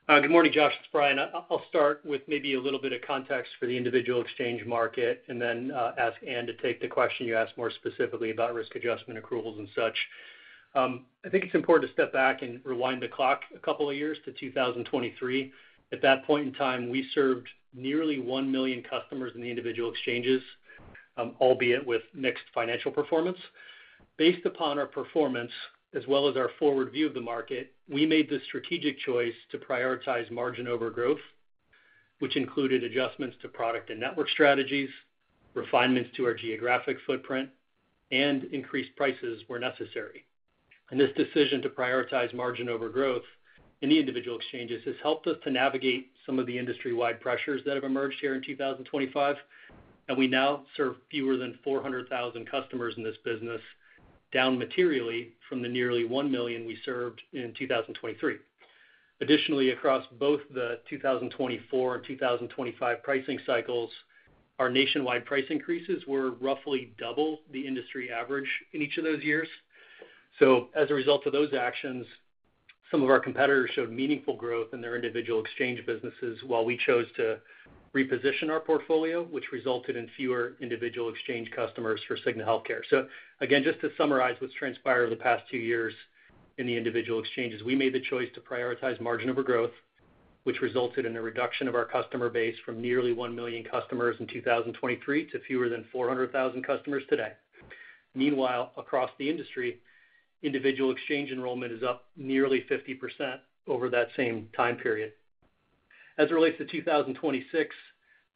Good morning, Josh. It's Brian. I'll start with maybe a little bit of context for the individual exchange market and then ask Ann to take the question you asked more specifically about risk adjustment accruals and such. I think it's important to step back and rewind the clock a couple of years to 2023. At that point in time, we served nearly 1 million customers in the individual exchanges, albeit with mixed financial performance. Based upon our performance, as well as our forward view of the market, we made the strategic choice to prioritize margin over growth, which included adjustments to product and network strategies, refinements to our geographic footprint, and increased prices where necessary. This decision to prioritize margin over growth in the individual exchanges has helped us to navigate some of the industry-wide pressures that have emerged here in 2025. We now serve fewer than 400,000 customers in this business, down materially from the nearly 1 million we served in 2023. Additionally, across both the 2024 and 2025 pricing cycles, our nationwide price increases were roughly double the industry average in each of those years. As a result of those actions, some of our competitors showed meaningful growth in their individual exchange businesses while we chose to reposition our portfolio, which resulted in fewer individual exchange customers for Cigna Healthcare. Just to summarize what's transpired over the past two years in the individual exchanges, we made the choice to prioritize margin over growth, which resulted in a reduction of our customer base from nearly 1 million customers in 2023 to fewer than 400,000 customers today. Meanwhile, across the industry, individual exchange enrollment is up nearly 50% over that same time period. As it relates to 2026,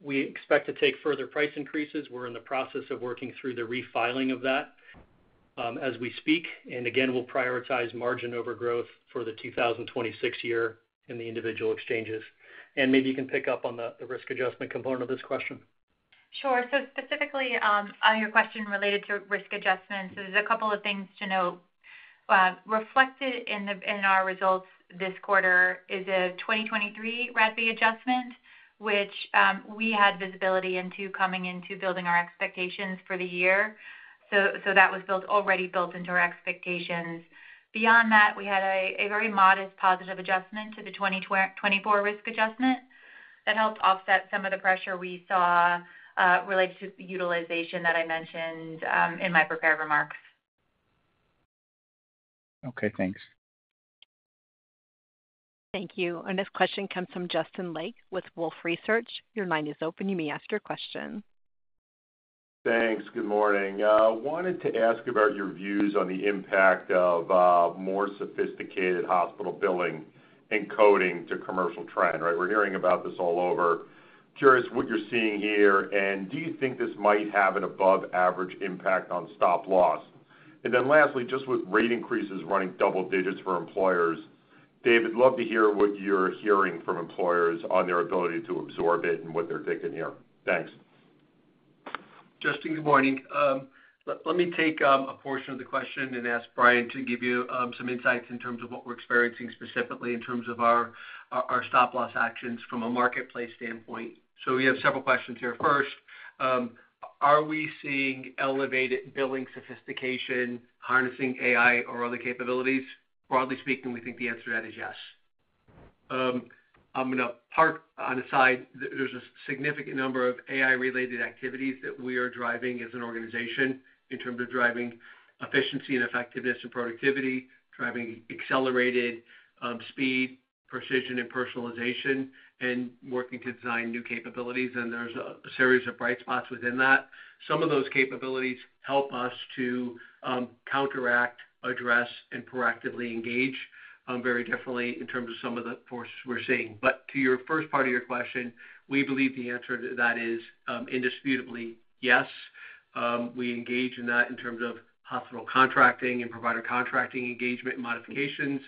we expect to take further price increases. We're in the process of working through the refiling of that as we speak. We will prioritize margin over growth for the 2026 year in the individual exchanges. Maybe you can pick up on the risk adjustment component of this question. Sure. Specifically on your question related to risk adjustments, there's a couple of things to note. Reflected in our results this quarter is a 2023 risk adjustment true-up, which we had visibility into coming into building our expectations for the year. That was already built into our expectations. Beyond that, we had a very modest positive adjustment to the 2024 risk adjustment that helped offset some of the pressure we saw related to the utilization that I mentioned in my prepared remarks. Okay. Thanks. Thank you. Our next question comes from Justin Lake with Wolfe Research. Your line is open. You may ask your question. Thanks. Good morning. I wanted to ask about your views on the impact of more sophisticated hospital billing and coding to commercial trend. We're hearing about this all over. Curious what you're seeing here. Do you think this might have an above-average impact on stop-loss? Lastly, just with rate increases running double digits for employers, David, love to hear what you're hearing from employers on their ability to absorb it and what they're thinking here. Thanks. Justin, good morning. Let me take a portion of the question and ask Brian to give you some insights in terms of what we're experiencing specifically in terms of our stop-loss actions from a marketplace standpoint. We have several questions here. First, are we seeing elevated billing sophistication harnessing AI or other capabilities? Broadly speaking, we think the answer to that is yes. I'm going to park on the side. There's a significant number of AI-related activities that we are driving as an organization in terms of driving efficiency and effectiveness and productivity, driving accelerated speed, precision, and personalization, and working to design new capabilities. There's a series of bright spots within that. Some of those capabilities help us to counteract, address, and proactively engage very differently in terms of some of the forces we're seeing. To your first part of your question, we believe the answer to that is indisputably yes. We engage in that in terms of hospital contracting and provider contracting engagement modifications,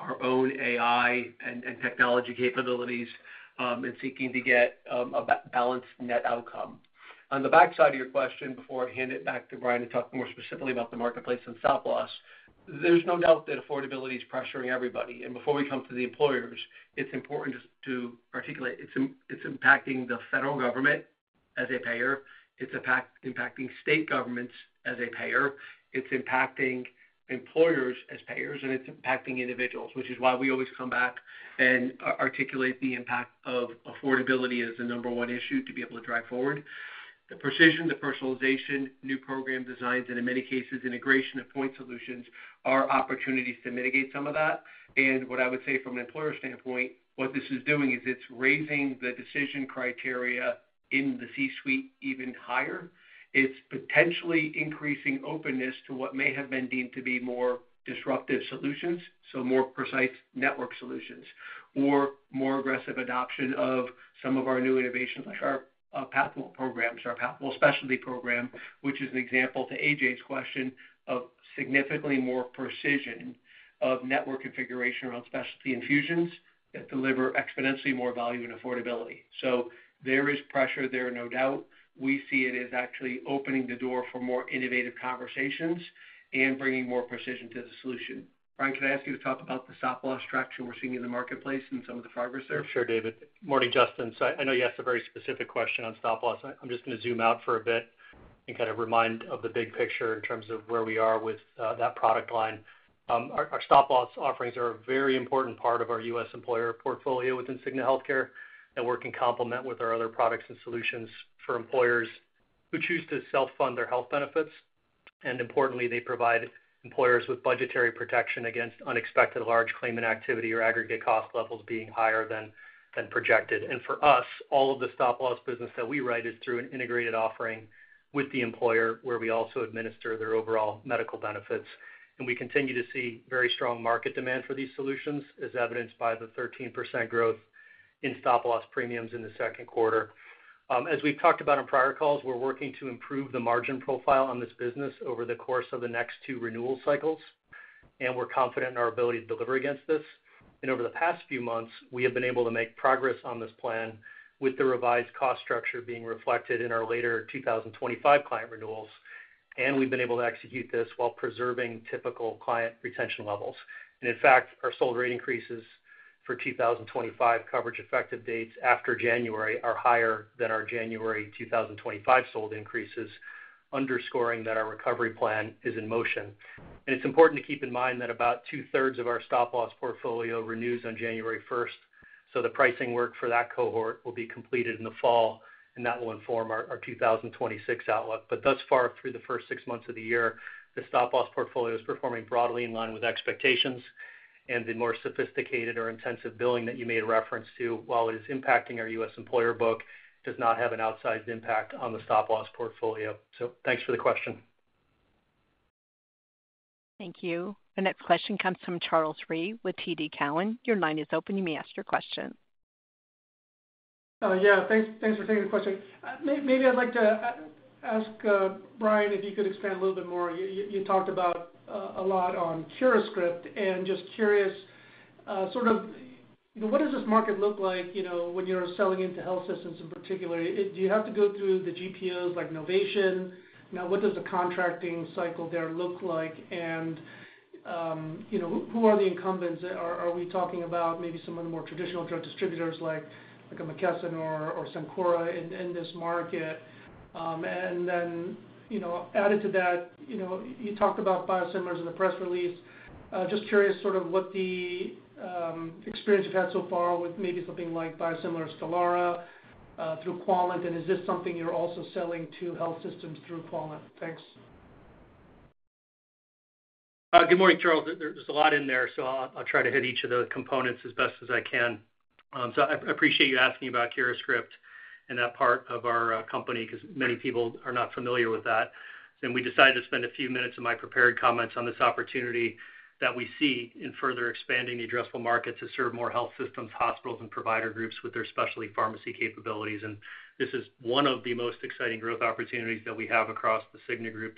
our own AI and technology capabilities, and seeking to get a balanced net outcome. On the backside of your question, before I hand it back to Brian to talk more specifically about the marketplace and stop-loss, there's no doubt that affordability is pressuring everybody. Before we come to the employers, it's important to articulate it's impacting the federal government as a payer. It's impacting state governments as a payer. It's impacting employers as payers, and it's impacting individuals, which is why we always come back and articulate the impact of affordability as the number one issue to be able to drive forward. The precision, the personalization, new program designs, and in many cases, integration of point solutions are opportunities to mitigate some of that. What I would say from an employer standpoint, what this is doing is it's raising the decision criteria in the C-suite even higher. It's potentially increasing openness to what may have been deemed to be more disruptive solutions, more precise network solutions, or more aggressive adoption of some of our new innovations like our PathWell programs, our PathWell specialty program, which is an example to A.J.'s question of significantly more precision of network configuration around specialty infusions that deliver exponentially more value and affordability. There is pressure there, no doubt. We see it as actually opening the door for more innovative conversations and bringing more precision to the solution. Brian, can I ask you to talk about the stop-loss structure we're seeing in the marketplace and some of the progress there? Sure, David. Morning, Justin. I know you asked a very specific question on stop-loss. I'm just going to zoom out for a bit and kind of remind of the big picture in terms of where we are with that product line. Our stop-loss offerings are a very important part of our U.S. employer portfolio within Cigna Healthcare. We're working to complement with our other products and solutions for employers who choose to self-fund their health benefits. Importantly, they provide employers with budgetary protection against unexpected large claimant activity or aggregate cost levels being higher than projected. For us, all of the stop-loss business that we write is through an integrated offering with the employer where we also administer their overall medical benefits. We continue to see very strong market demand for these solutions, as evidenced by the 13% growth in stop-loss premiums in the second quarter. As we've talked about in prior calls, we're working to improve the margin profile on this business over the course of the next two renewal cycles. We're confident in our ability to deliver against this. Over the past few months, we have been able to make progress on this plan with the revised cost structure being reflected in our later 2025 client renewals. We've been able to execute this while preserving typical client retention levels. In fact, our sold rate increases for 2025 coverage effective dates after January are higher than our January 2025 sold increases, underscoring that our recovery plan is in motion. It's important to keep in mind that about two-thirds of our stop-loss portfolio renews on January 1st. The pricing work for that cohort will be completed in the fall, and that will inform our 2026 outlook. Thus far, through the first six months of the year, the stop-loss portfolio is performing broadly in line with expectations. The more sophisticated or intensive billing that you made a reference to, while it is impacting our U.S. employer book, does not have an outsized impact on the stop-loss portfolio. Thanks for the question. Thank you. Our next question comes from Charles Rhyee with TD Cowen. Your line is open. You may ask your question. Thanks for taking the question. Maybe I'd like to ask Brian if you could expand a little bit more. You talked about a lot on CuraScript. Just curious, what does this market look like when you're selling into health systems in particular? Do you have to go through the GPOs like Novation? What does the contracting cycle there look like? Who are the incumbents? Are we talking about maybe some of the more traditional drug distributors like McKesson or Cencora in this market? You talked about biosimilars in the press release. Just curious what the experience you've had so far with maybe something like biosimilars Stelara through Qualant. Is this something you're also selling to health systems through Qualant? Thanks. Good morning, Charles. There's a lot in there, so I'll try to hit each of the components as best as I can. I appreciate you asking about CuraScript and that part of our company because many people are not familiar with that. We decided to spend a few minutes of my prepared comments on this opportunity that we see in further expanding the addressable market to serve more health systems, hospitals, and provider groups with their specialty pharmacy capabilities. This is one of the most exciting growth opportunities that we have across The Cigna Group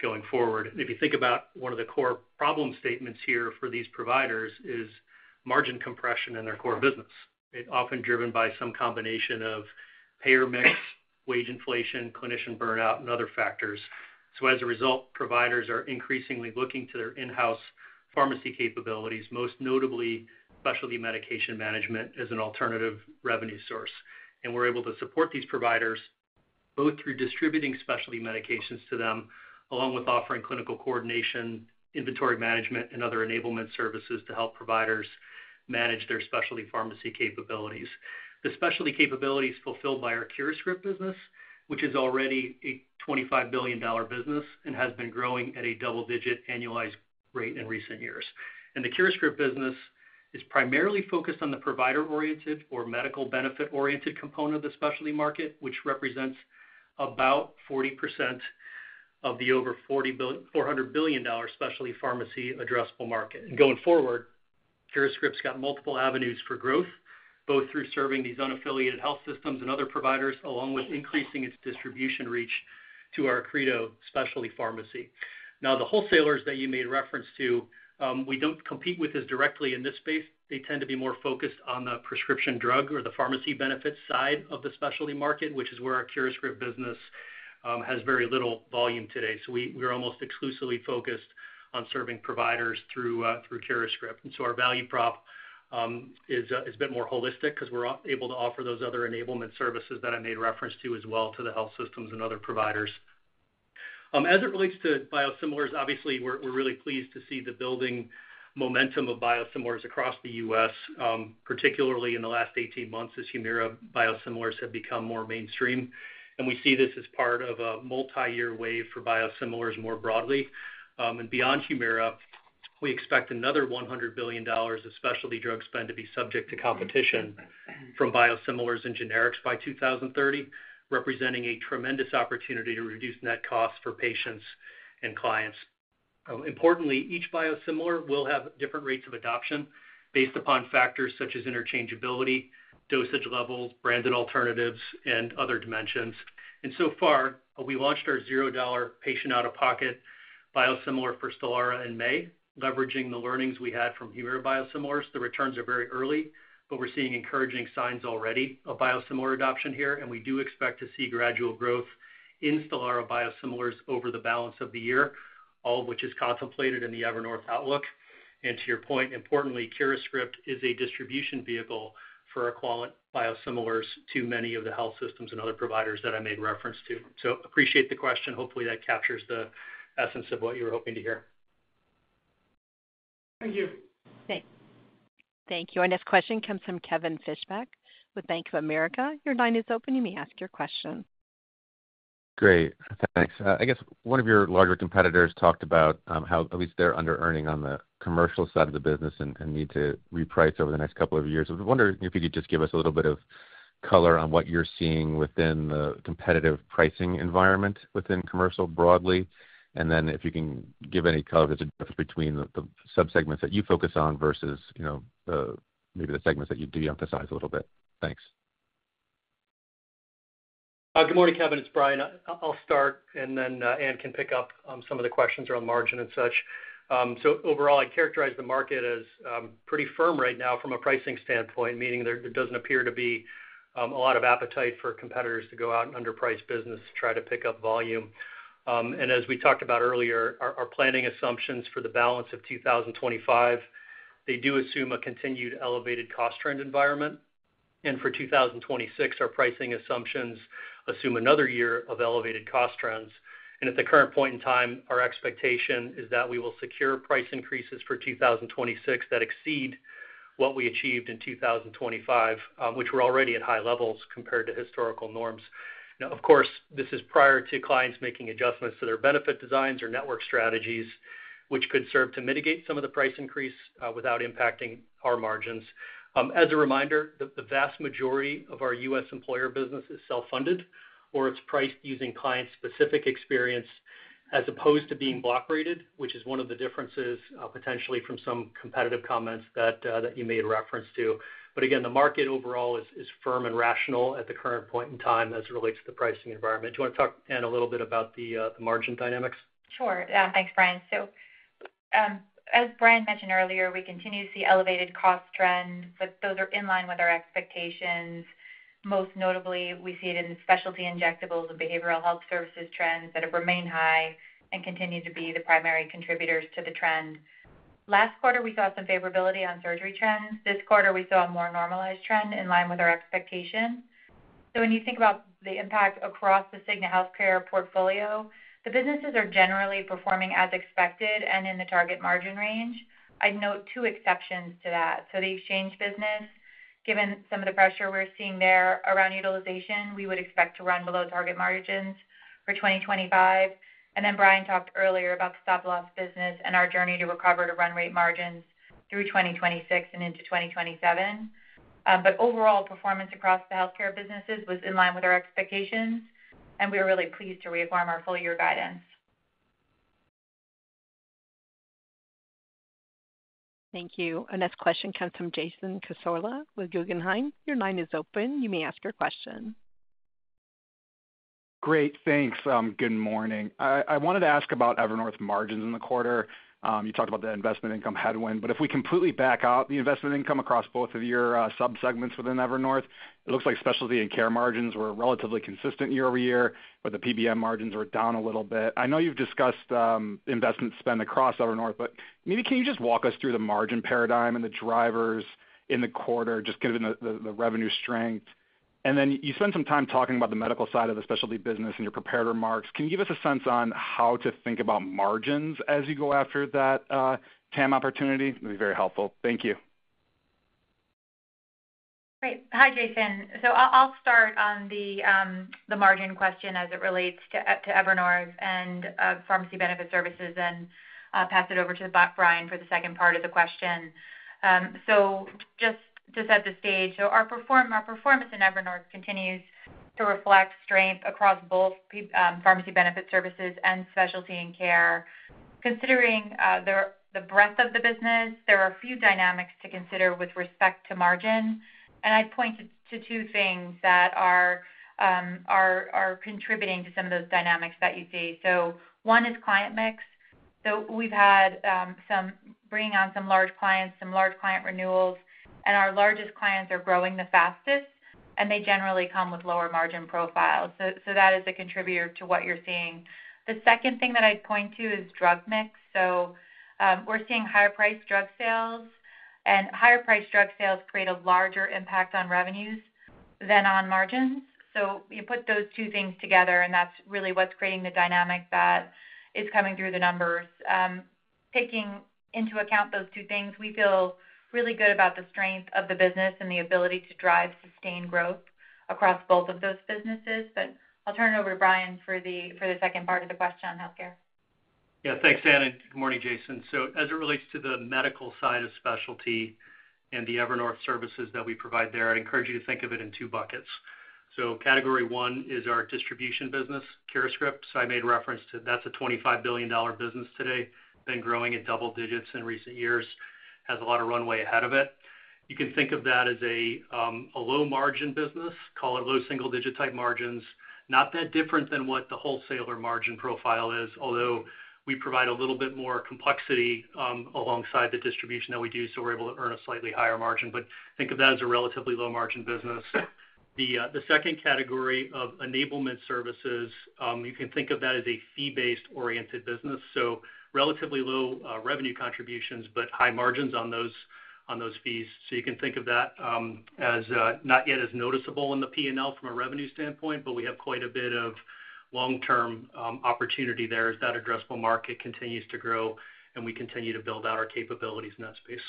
going forward. If you think about one of the core problem statements here for these providers, it is margin compression in their core business, often driven by some combination of payer mix, wage inflation, clinician burnout, and other factors. As a result, providers are increasingly looking to their in-house pharmacy capabilities, most notably specialty medication management, as an alternative revenue source. We're able to support these providers both through distributing specialty medications to them, along with offering clinical coordination, inventory management, and other enablement services to help providers manage their specialty pharmacy capabilities. The specialty capabilities are fulfilled by our CuraScript business, which is already a $25 billion business and has been growing at a double-digit annualized rate in recent years. The CuraScript business is primarily focused on the provider-oriented or medical benefit-oriented component of the specialty market, which represents about 40% of the over $400 billion specialty pharmacy addressable market. Going forward, CuraScript's got multiple avenues for growth, both through serving these unaffiliated health systems and other providers, along with increasing its distribution reach to our Accredo specialty pharmacy. Now, the wholesalers that you made reference to, we don't compete with as directly in this space. They tend to be more focused on the prescription drug or the pharmacy benefit side of the specialty market, which is where our CuraScript business has very little volume today. We're almost exclusively focused on serving providers through CuraScript. Our value proposition is a bit more holistic because we're able to offer those other enablement services that I made reference to as well to the health systems and other providers. As it relates to biosimilars, obviously, we're really pleased to see the building momentum of biosimilars across the U.S., particularly in the last 18 months as Humira biosimilars have become more mainstream. We see this as part of a multi-year wave for biosimilars more broadly. Beyond Humira, we expect another $100 billion of specialty drug spend to be subject to competition from biosimilars and generics by 2030, representing a tremendous opportunity to reduce net costs for patients and clients. Importantly, each biosimilar will have different rates of adoption based upon factors such as interchangeability, dosage levels, branded alternatives, and other dimensions. So far, we launched our $0 patient out-of-pocket biosimilar for Stelara in May, leveraging the learnings we had from Humira biosimilars. The returns are very early, but we're seeing encouraging signs already of biosimilar adoption here. We do expect to see gradual growth in Stelara biosimilars over the balance of the year, all of which is contemplated in the Evernorth outlook. To your point, importantly, CuraScript is a distribution vehicle for our Qualant biosimilars to many of the health systems and other providers that I made reference to. Appreciate the question. Hopefully, that captures the essence of what you were hoping to hear. Thank you. Thank you. Our next question comes from Kevin Fishback with Bank of America. Your line is open. You may ask your question. Great. Thanks. I guess one of your larger competitors talked about how, at least they're under-earning on the commercial side of the business and need to reprice over the next couple of years. I was wondering if you could just give us a little bit of color on what you're seeing within the competitive pricing environment within commercial broadly. If you can give any color between the subsegments that you focus on versus maybe the segments that you de-emphasize a little bit. Thanks. Good morning, Kevin. It's Brian. I'll start, and then Ann can pick up some of the questions around margin and such. Overall, I'd characterize the market as pretty firm right now from a pricing standpoint, meaning there doesn't appear to be a lot of appetite for competitors to go out and under-price business to try to pick up volume. As we talked about earlier, our planning assumptions for the balance of 2025 do assume a continued elevated cost trend environment. For 2026, our pricing assumptions assume another year of elevated cost trends. At the current point in time, our expectation is that we will secure price increases for 2026 that exceed what we achieved in 2025, which we're already at high levels compared to historical norms. Of course, this is prior to clients making adjustments to their benefit designs or network strategies, which could serve to mitigate some of the price increase without impacting our margins. As a reminder, the vast majority of our U.S. employer business is self-funded, or it's priced using client-specific experience as opposed to being block-rated, which is one of the differences potentially from some competitive comments that you made reference to. Again, the market overall is firm and rational at the current point in time as it relates to the pricing environment. Do you want to talk, Ann, a little bit about the margin dynamics? Sure. Thanks, Brian. As Brian mentioned earlier, we continue to see elevated cost trends, but those are in line with our expectations. Most notably, we see it in the specialty injectables and behavioral health services trends that have remained high and continue to be the primary contributors to the trend. Last quarter, we saw some favorability on surgery trends. This quarter, we saw a more normalized trend in line with our expectations. When you think about the impact across the Cigna Healthcare portfolio, the businesses are generally performing as expected and in the target margin range. I'd note two exceptions to that. The individual exchange business, given some of the pressure we're seeing there around utilization, we would expect to run below target margins for 2025. Brian talked earlier about the stop-loss business and our journey to recover to run rate margins through 2026 and into 2027. Overall performance across the healthcare businesses was in line with our expectations, and we are really pleased to reaffirm our full-year guidance. Thank you. Our next question comes from Jason Casola with Guggenheim. Your line is open. You may ask your question. Great. Thanks. Good morning. I wanted to ask about Evernorth margins in the quarter. You talked about the investment income headwind. If we completely back out the investment income across both of your subsegments within Evernorth, it looks like Specialty and Care margins were relatively consistent year-over-year, but the PBM margins were down a little bit. I know you've discussed investment spend across Evernorth. Can you just walk us through the margin paradigm and the drivers in the quarter, just given the revenue strength? You spent some time talking about the medical side of the specialty business in your prepared remarks. Can you give us a sense on how to think about margins as you go after that TAM opportunity? That'd be very helpful. Thank you. Great. Hi, Jason. I'll start on the margin question as it relates to Evernorth and pharmacy benefit services and pass it over to Brian for the second part of the question. Just to set the stage, our performance in Evernorth continues to reflect strength across both pharmacy benefit services and specialty and care. Considering the breadth of the business, there are a few dynamics to consider with respect to margin. I'd point to two things that are contributing to some of those dynamics that you see. One is client mix. We've had bringing on some large clients, some large client renewals, and our largest clients are growing the fastest, and they generally come with lower margin profiles. That is a contributor to what you're seeing. The second thing that I'd point to is drug mix. We're seeing higher-priced drug sales, and higher-priced drug sales create a larger impact on revenues than on margins. You put those two things together, and that's really what's creating the dynamic that is coming through the numbers. Taking into account those two things, we feel really good about the strength of the business and the ability to drive sustained growth across both of those businesses. I'll turn it over to Brian for the second part of the question on healthcare. Yeah. Thanks, Ann. Good morning, Jason. As it relates to the medical side of specialty and the Evernorth services that we provide there, I'd encourage you to think of it in two buckets. Category one is our distribution business, CuraScript. I made reference to that's a $25 billion business today, been growing at double digits in recent years, has a lot of runway ahead of it. You can think of that as a low-margin business, call it low single-digit type margins, not that different than what the wholesaler margin profile is, although we provide a little bit more complexity alongside the distribution that we do, so we're able to earn a slightly higher margin. Think of that as a relatively low-margin business. The second category of enablement services, you can think of that as a fee-based oriented business, so relatively low revenue contributions, but high margins on those fees. You can think of that as not yet as noticeable in the P&L from a revenue standpoint, but we have quite a bit of long-term opportunity there as that addressable market continues to grow and we continue to build out our capabilities in that space.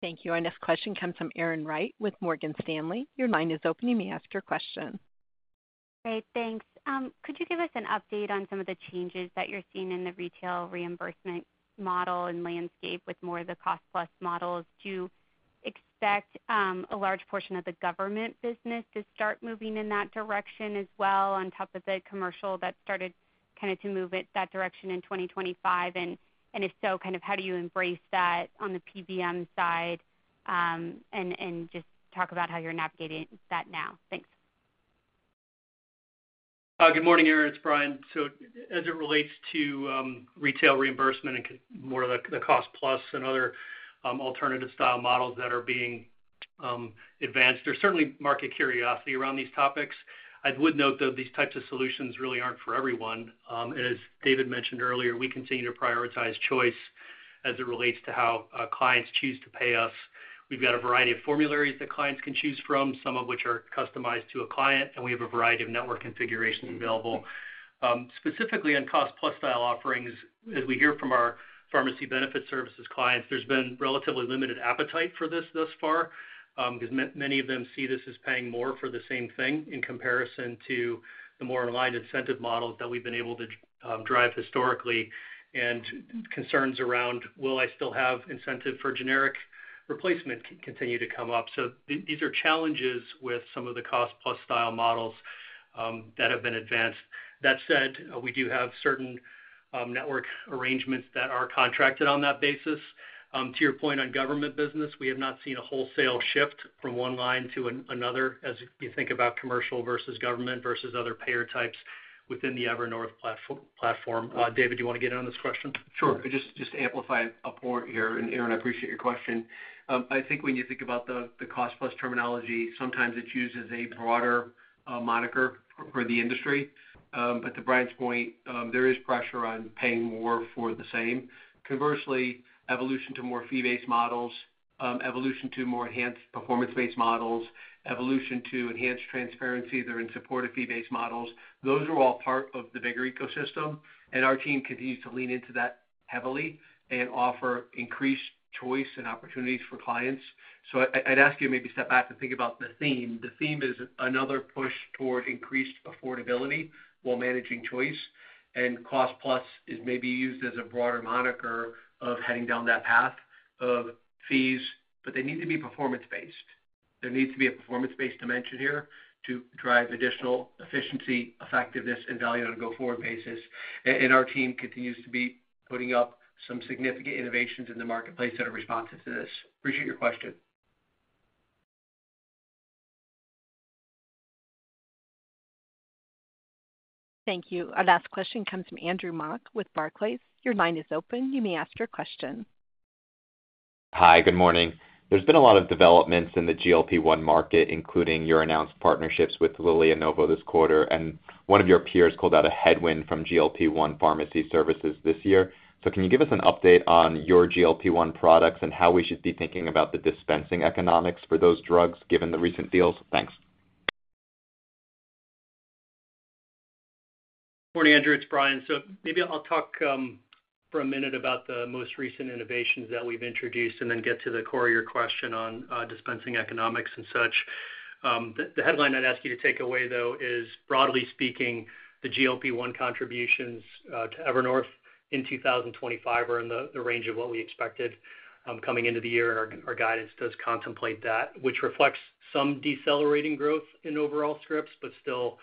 Thank you. Our next question comes from Aaron Wright with Morgan Stanley. Your line is open. You may ask your question. Great. Thanks. Could you give us an update on some of the changes that you're seeing in the retail reimbursement model and landscape with more of the cost-plus models? Do you expect a large portion of the government business to start moving in that direction as well on top of the commercial that started to move in that direction in 2025? If so, how do you embrace that on the PBM side? Just talk about how you're navigating that now. Thanks. Good morning, Aaron. It's Brian. As it relates to retail reimbursement and more of the cost-plus and other alternative-style models that are being advanced, there's certainly market curiosity around these topics. I would note, though, these types of solutions really aren't for everyone. As David mentioned earlier, we continue to prioritize choice as it relates to how clients choose to pay us. We've got a variety of formularies that clients can choose from, some of which are customized to a client, and we have a variety of network configurations available. Specifically on cost-plus-style offerings, as we hear from our Pharmacy Benefit Services clients, there's been relatively limited appetite for this thus far because many of them see this as paying more for the same thing in comparison to the more aligned incentive models that we've been able to drive historically. Concerns around, "Will I still have incentive for generic replacement?" continue to come up. These are challenges with some of the cost-plus-style models that have been advanced. That said, we do have certain network arrangements that are contracted on that basis. To your point on government business, we have not seen a wholesale shift from one line to another as you think about commercial versus government versus other payer types within the Evernorth platform. David, do you want to get in on this question? Sure. Just to amplify a point here, and Aaron, I appreciate your question. I think when you think about the cost-plus terminology, sometimes it's used as a broader moniker for the industry. To Brian's point, there is pressure on paying more for the same. Conversely, evolution to more fee-based models, evolution to more enhanced performance-based models, evolution to enhanced transparency that are in support of fee-based models, those are all part of the bigger ecosystem. Our team continues to lean into that heavily and offer increased choice and opportunities for clients. I'd ask you to maybe step back and think about the theme. The theme is another push toward increased affordability while managing choice. Cost-plus is maybe used as a broader moniker of heading down that path of fees, but they need to be performance-based. There needs to be a performance-based dimension here to drive additional efficiency, effectiveness, and value on a go-forward basis. Our team continues to be putting up some significant innovations in the marketplace that are responsive to this. Appreciate your question. Thank you. Our last question comes from Andrew Mok with Barclays. Your line is open. You may ask your question. Hi, good morning. There's been a lot of developments in the GLP-1 market, including your announced partnerships with Eli Lilly and Novo Nordisk this quarter. One of your peers called out a headwind from GLP-1 pharmacy services this year. Can you give us an update on your GLP-1 products and how we should be thinking about the dispensing economics for those drugs given the recent deals? Thanks. Good morning, Andrew. It's Brian. Maybe I'll talk for a minute about the most recent innovations that we've introduced and then get to the core of your question on dispensing economics and such. The headline I'd ask you to take away, though, is, broadly speaking, the GLP-1 contributions to Evernorth in 2025 are in the range of what we expected coming into the year, and our guidance does contemplate that, which reflects some decelerating growth in overall scripts, but still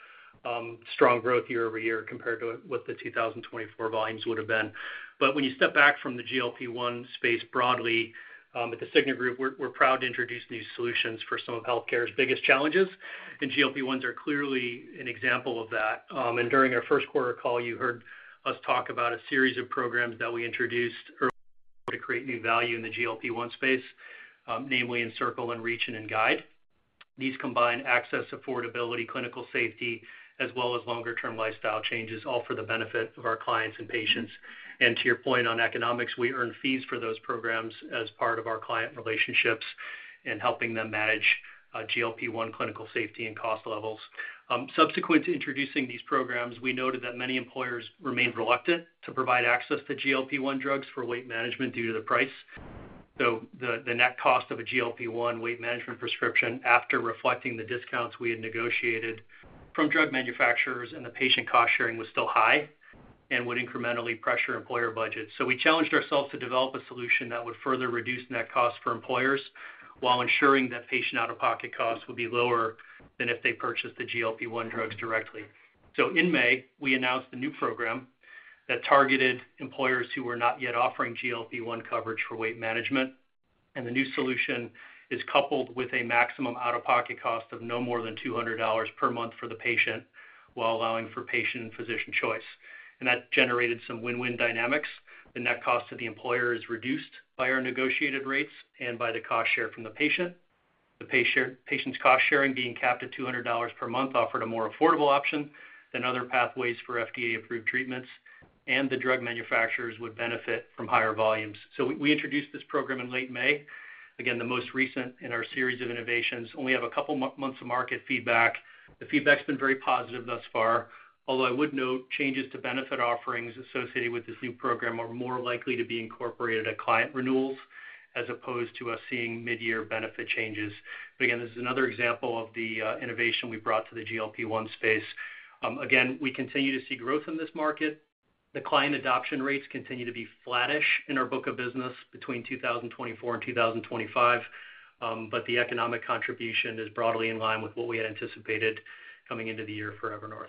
strong growth year-over-year compared to what the 2024 volumes would have been. When you step back from the GLP-1 space broadly, at The Cigna Group, we're proud to introduce new solutions for some of healthcare's biggest challenges. GLP-1s are clearly an example of that. During our first quarter call, you heard us talk about a series of programs that we introduced to create new value in the GLP-1 space, namely Encircle and Reach and Guide. These combine access, affordability, clinical safety, as well as longer-term lifestyle changes, all for the benefit of our clients and patients. To your point on economics, we earn fees for those programs as part of our client relationships and helping them manage GLP-1 clinical safety and cost levels. Subsequent to introducing these programs, we noted that many employers remained reluctant to provide access to GLP-1 drugs for weight management due to the price. The net cost of a GLP-1 weight management prescription, after reflecting the discounts we had negotiated from drug manufacturers and the patient cost sharing, was still high and would incrementally pressure employer budgets. We challenged ourselves to develop a solution that would further reduce net costs for employers while ensuring that patient out-of-pocket costs would be lower than if they purchased the GLP-1 drugs directly. In May, we announced a new program that targeted employers who were not yet offering GLP-1 coverage for weight management. The new solution is coupled with a maximum out-of-pocket cost of no more than $200 per month for the patient while allowing for patient and physician choice. That generated some win-win dynamics. The net cost to the employer is reduced by our negotiated rates and by the cost share from the patient. The patient's cost sharing being capped at $200 per month offered a more affordable option than other pathways for FDA-approved treatments, and the drug manufacturers would benefit from higher volumes. We introduced this program in late May, the most recent in our series of innovations. Only have a couple of months of market feedback. The feedback's been very positive thus far, although I would note changes to benefit offerings associated with this new program are more likely to be incorporated at client renewals as opposed to us seeing mid-year benefit changes. This is another example of the innovation we brought to the GLP-1 space. We continue to see growth in this market. The client adoption rates continue to be flattish in our book of business between 2024 and 2025, but the economic contribution is broadly in line with what we had anticipated coming into the year for Evernorth.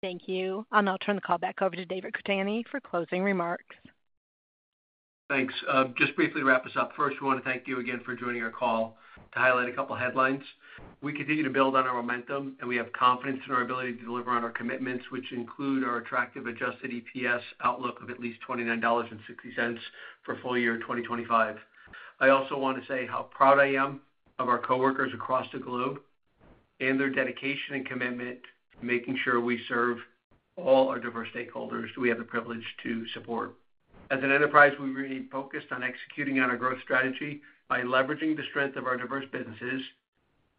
Thank you. I'll now turn the call back over to David Cordani for closing remarks. Thanks. Just briefly to wrap us up, first, we want to thank you again for joining our call to highlight a couple of headlines. We continue to build on our momentum, and we have confidence in our ability to deliver on our commitments, which include our attractive adjusted EPS outlook of at least $29.60 for full year 2025. I also want to say how proud I am of our coworkers across the globe and their dedication and commitment to making sure we serve all our diverse stakeholders that we have the privilege to support. As an enterprise, we remain focused on executing on our growth strategy by leveraging the strength of our diverse businesses,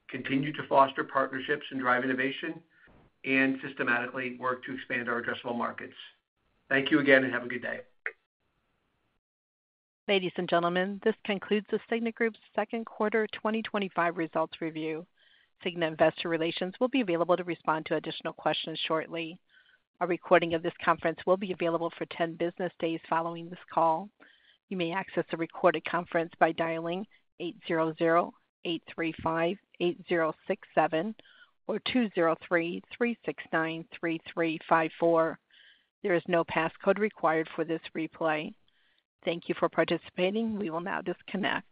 continue to foster partnerships and drive innovation, and systematically work to expand our addressable markets. Thank you again, and have a good day. Ladies and gentlemen, this concludes The Cigna Group's second quarter 2025 results review. Cigna Investor Relations will be available to respond to additional questions shortly. A recording of this conference will be available for 10 business days following this call. You may access the recorded conference by dialing 800-835-8067 or 203-369-3354. There is no passcode required for this replay. Thank you for participating. We will now disconnect.